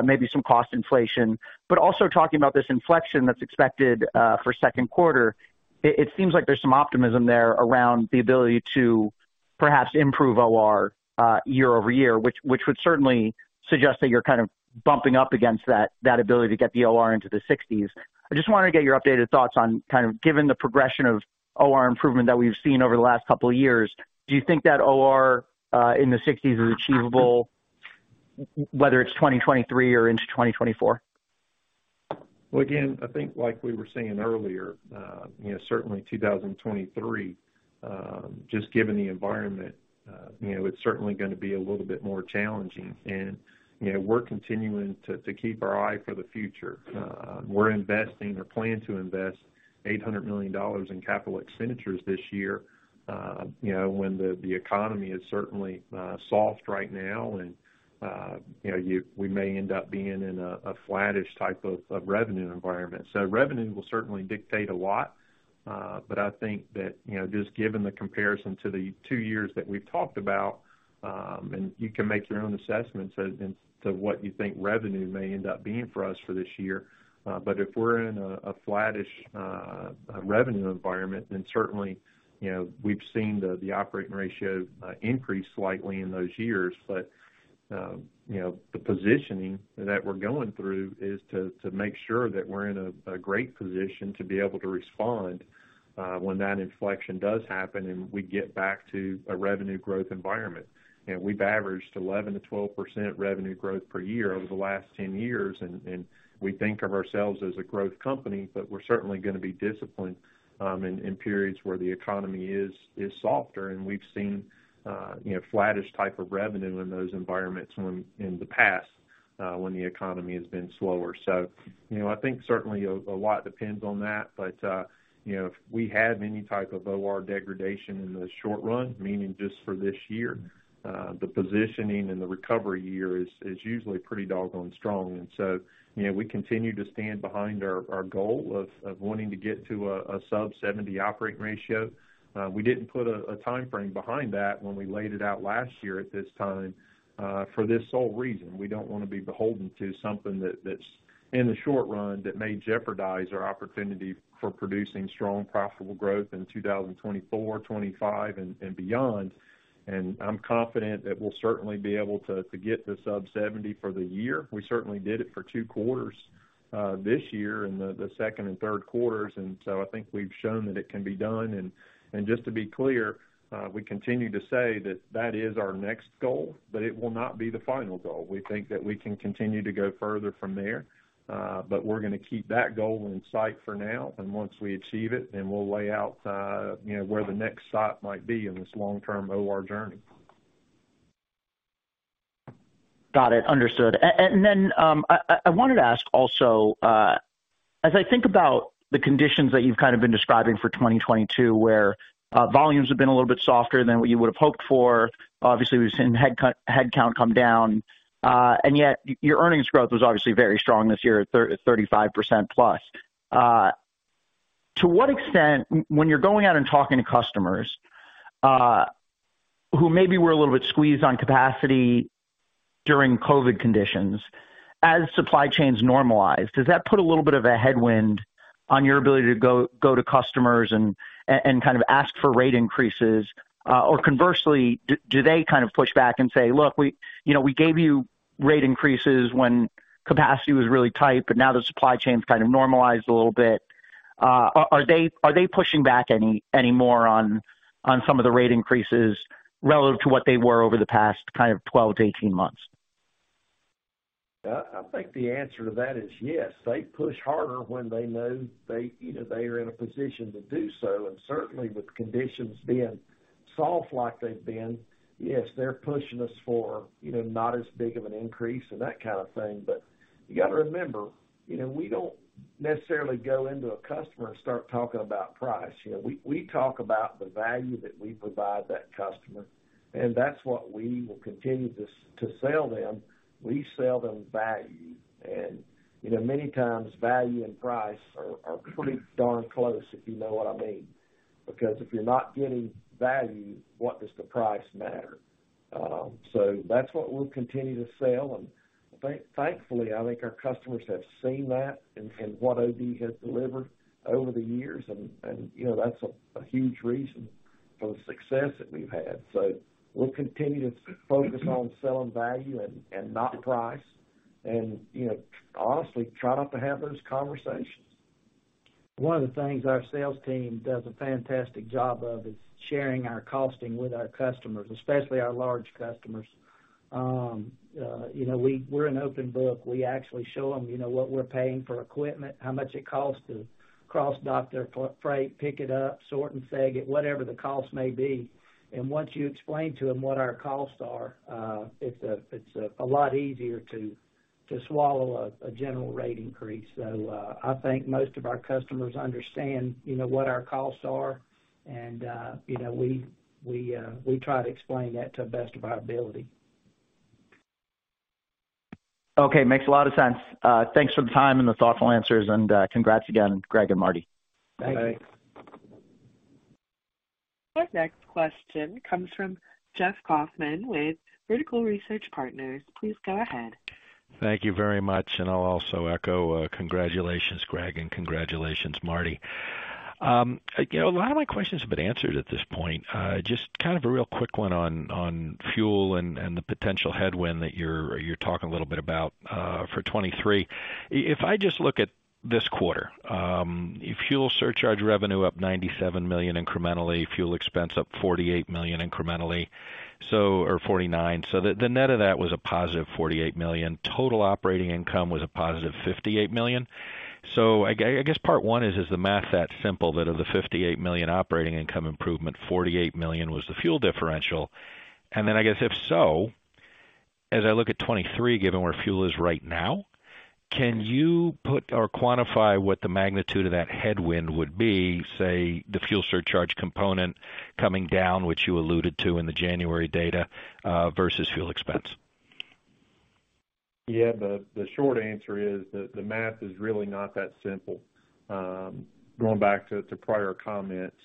maybe some cost inflation. Also talking about this inflection that's expected for second quarter, it seems like there's some optimism there around the ability to perhaps improve OR year-over-year, which would certainly suggest that you're kind of bumping up against that ability to get the OR into the 60s. I just wanted to get your updated thoughts on kind of given the progression of OR improvement that we've seen over the last couple of years, do you think that OR in the sixties is achievable whether it's 2023 or into 2024? Well, again, I think like we were saying earlier, you know, certainly 2023, just given the environment, you know, it's certainly gonna be a little bit more challenging. You know, we're continuing to keep our eye for the future. We're investing or plan to invest $800 million in capital expenditures this year, you know, when the economy is certainly soft right now and, you know, we may end up being in a flattish type of revenue environment. Revenue will certainly dictate a lot. I think that, you know, just given the comparison to the two years that we've talked about, and you can make your own assessments as to what you think revenue may end up being for us for this year. If we're in a flattish revenue environment, certainly, you know, we've seen the operating ratio increase slightly in those years. You know, the positioning that we're going through is to make sure that we're in a great position to be able to respond when that inflection does happen, and we get back to a revenue growth environment. We've averaged 11%-12% revenue growth per year over the last 10 years, and we think of ourselves as a growth company, but we're certainly gonna be disciplined in periods where the economy is softer. We've seen, you know, flattish type of revenue in those environments in the past when the economy has been slower. You know, I think certainly a lot depends on that. You know, if we have any type of OR degradation in the short run, meaning just for this year, the positioning and the recovery year is usually pretty doggone strong. You know, we continue to stand behind our goal of wanting to get to a sub 70 operating ratio. We didn't put a timeframe behind that when we laid it out last year at this time, for this sole reason. We don't wanna be beholden to something that's in the short run that may jeopardize our opportunity for producing strong, profitable growth in 2024, 2025, and beyond. I'm confident that we'll certainly be able to get to sub 70 for the year. We certainly did it for 2 quarters, this year in the second and third quarters. I think we've shown that it can be done. Just to be clear, we continue to say that that is our next goal, but it will not be the final goal. We think that we can continue to go further from there, but we're gonna keep that goal in sight for now, and once we achieve it, then we'll lay out, you know, where the next sight might be in this long-term OR journey. Got it. Understood. Then, I wanted to ask also, as I think about the conditions that you've kind of been describing for 2022, where volumes have been a little bit softer than what you would've hoped for, obviously we've seen headcount come down, and yet your earnings growth was obviously very strong this year at 35% plus. To what extent, when you're going out and talking to customers, who maybe were a little bit squeezed on capacity during COVID conditions, as supply chains normalize, does that put a little bit of a headwind on your ability to go to customers and kind of ask for rate increases? Conversely, do they kind of push back and say, "Look, we, you know, we gave you rate increases when capacity was really tight, but now the supply chain's kind of normalized a little bit." Are they pushing back any more on some of the rate increases relative to what they were over the past kind of 12 to 18 months? I think the answer to that is yes. They push harder when they know you know, they are in a position to do so. Certainly, with conditions being soft like they've been, yes, they're pushing us for, you know, not as big of an increase and that kind of thing. You got to remember, you know, we don't necessarily go into a customer and start talking about price. You know, we talk about the value that we provide that customer, and that's what we will continue to sell them. We sell them value. You know, many times, value and price are pretty darn close, if you know what I mean. Because if you're not getting value, what does the price matter? That's what we'll continue to sell. Thankfully, I think our customers have seen that in what OD has delivered over the years. You know, that's a huge reason for the success that we've had. We'll continue to focus on selling value and not price. You know, honestly, try not to have those conversations. One of the things our sales team does a fantastic job of is sharing our costing with our customers, especially our large customers. You know, we're an open book. We actually show them, you know, what we're paying for equipment, how much it costs to cross dock their freight, pick it up, sort and seg it, whatever the cost may be. Once you explain to them what our costs are, it's a lot easier to swallow a general rate increase. I think most of our customers understand, you know, what our costs are, and, you know, we try to explain that to the best of our ability. Okay. Makes a lot of sense. Thanks for the time and the thoughtful answers, and congrats again, Greg and Marty. Thanks. Bye. Our next question comes from Jeffrey Kauffman. Please go ahead. Thank you very much. I'll also echo, congratulations, Greg, and congratulations, Marty. You know, a lot of my questions have been answered at this point. Just kind of a real quick one on fuel and the potential headwind that you're talking a little bit about for 2023. If I just look at this quarter, fuel surcharge revenue up $97 million incrementally, fuel expense up $48 million incrementally, or $49 million. The net of that was a positive $48 million. Total operating income was a positive $58 million. I guess part one is the math that simple, that of the $58 million operating income improvement, $48 million was the fuel differential? I guess, if so, as I look at 23, given where fuel is right now, can you put or quantify what the magnitude of that headwind would be, say, the fuel surcharge component coming down, which you alluded to in the January data, versus fuel expense? Yeah. The short answer is that the math is really not that simple. Going back to prior comments,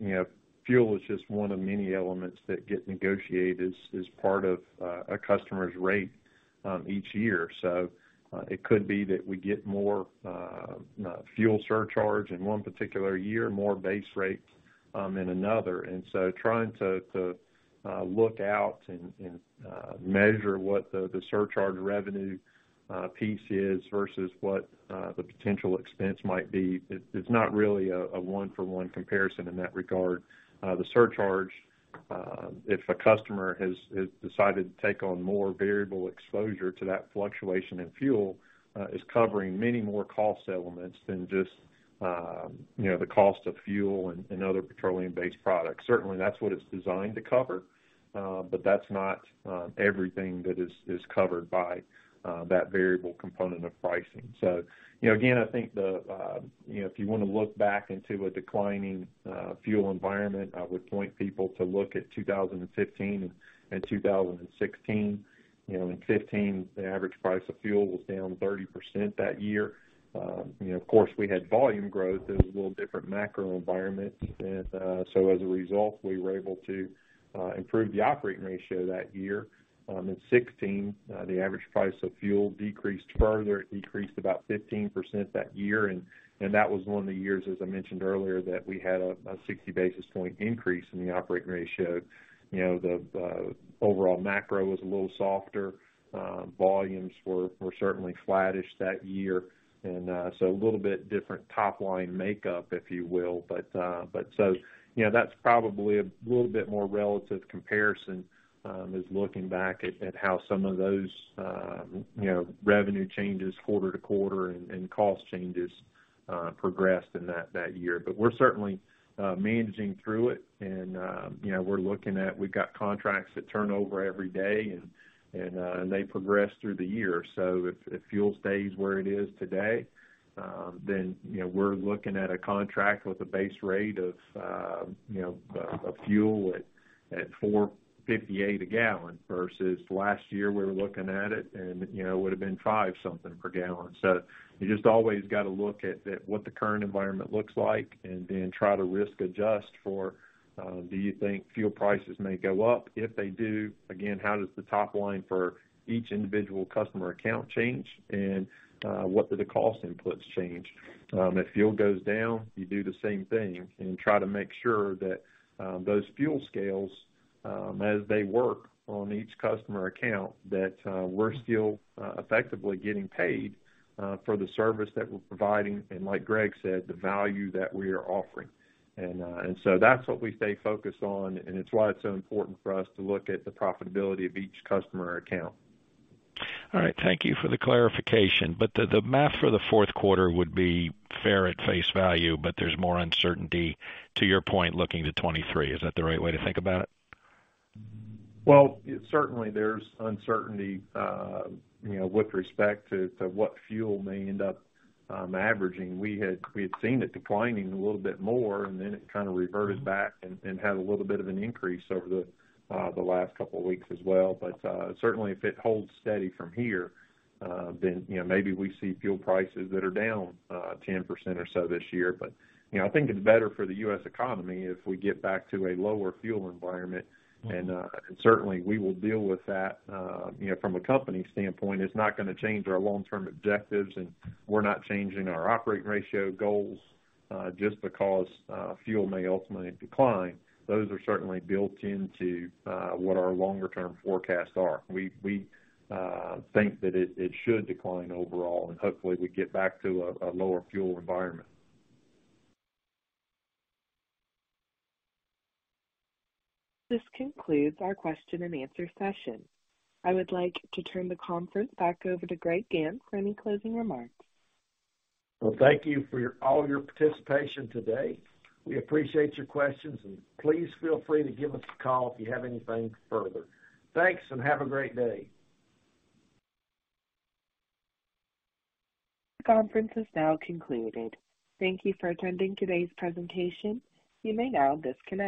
you know, fuel is just one of many elements that get negotiated as part of a customer's rate. Each year. It could be that we get more fuel surcharge in one particular year, more base rate in another. Trying to look out and measure what the surcharge revenue piece is versus what the potential expense might be, it's not really a one-for-one comparison in that regard. The surcharge, if a customer has decided to take on more variable exposure to that fluctuation in fuel, is covering many more cost elements than just, you know, the cost of fuel and other petroleum-based products. Certainly, that's what it's designed to cover, but that's not everything that is covered by that variable component of pricing. You know, again, I think the, you know, if you wanna look back into a declining fuel environment, I would point people to look at 2015 and 2016. You know, in 2015, the average price of fuel was down 30% that year. You know, of course, we had volume growth. It was a little different macro environment. As a result, we were able to improve the operating ratio that year. In 2016, the average price of fuel decreased further. It decreased about 15% that year, and that was one of the years, as I mentioned earlier, that we had a 60 basis point increase in the operating ratio. You know, the overall macro was a little softer. Volumes were certainly flattish that year. So a little bit different top-line makeup, if you will. So, you know, that's probably a little bit more relative comparison, is looking back at how some of those, you know, revenue changes quarter-to-quarter and cost changes progressed in that year. We're certainly managing through it. You know, we're looking at... We've got contracts that turn over every day and they progress through the year. If fuel stays where it is today, then, you know, we're looking at a contract with a base rate of, you know, a fuel at $4.58 a gallon versus last year we were looking at it and, you know, it would've been five something per gallon. You just always gotta look at what the current environment looks like and then try to risk adjust for, do you think fuel prices may go up? If they do, again, how does the top line for each individual customer account change, and what do the cost inputs change? If fuel goes down, you do the same thing and try to make sure that, those fuel scales, as they work on each customer account, that, we're still, effectively getting paid, for the service that we're providing and, like Greg said, the value that we are offering. That's what we stay focused on, and it's why it's so important for us to look at the profitability of each customer account. All right. Thank you for the clarification. The math for the fourth quarter would be fair at face value, but there's more uncertainty, to your point, looking to 2023. Is that the right way to think about it? Well, certainly there's uncertainty, you know, with respect to what fuel may end up averaging. We had seen it declining a little bit more, and then it kinda reverted back and had a little bit of an increase over the last couple weeks as well. Certainly if it holds steady from here, then, you know, maybe we see fuel prices that are down 10% or so this year. You know, I think it's better for the U.S. economy if we get back to a lower fuel environment. Mm-hmm. Certainly we will deal with that. You know, from a company standpoint, it's not gonna change our long-term objectives, and we're not changing our operating ratio goals just because fuel may ultimately decline. Those are certainly built into what our longer term forecasts are. We think that it should decline overall and hopefully we get back to a lower fuel environment. This concludes our question and answer session. I would like to turn the conference back over to Greg Gantt for any closing remarks. Well, thank you for your, all your participation today. We appreciate your questions. Please feel free to give us a call if you have anything further. Thanks. Have a great day. The conference is now concluded. Thank you for attending today's presentation. You may now disconnect.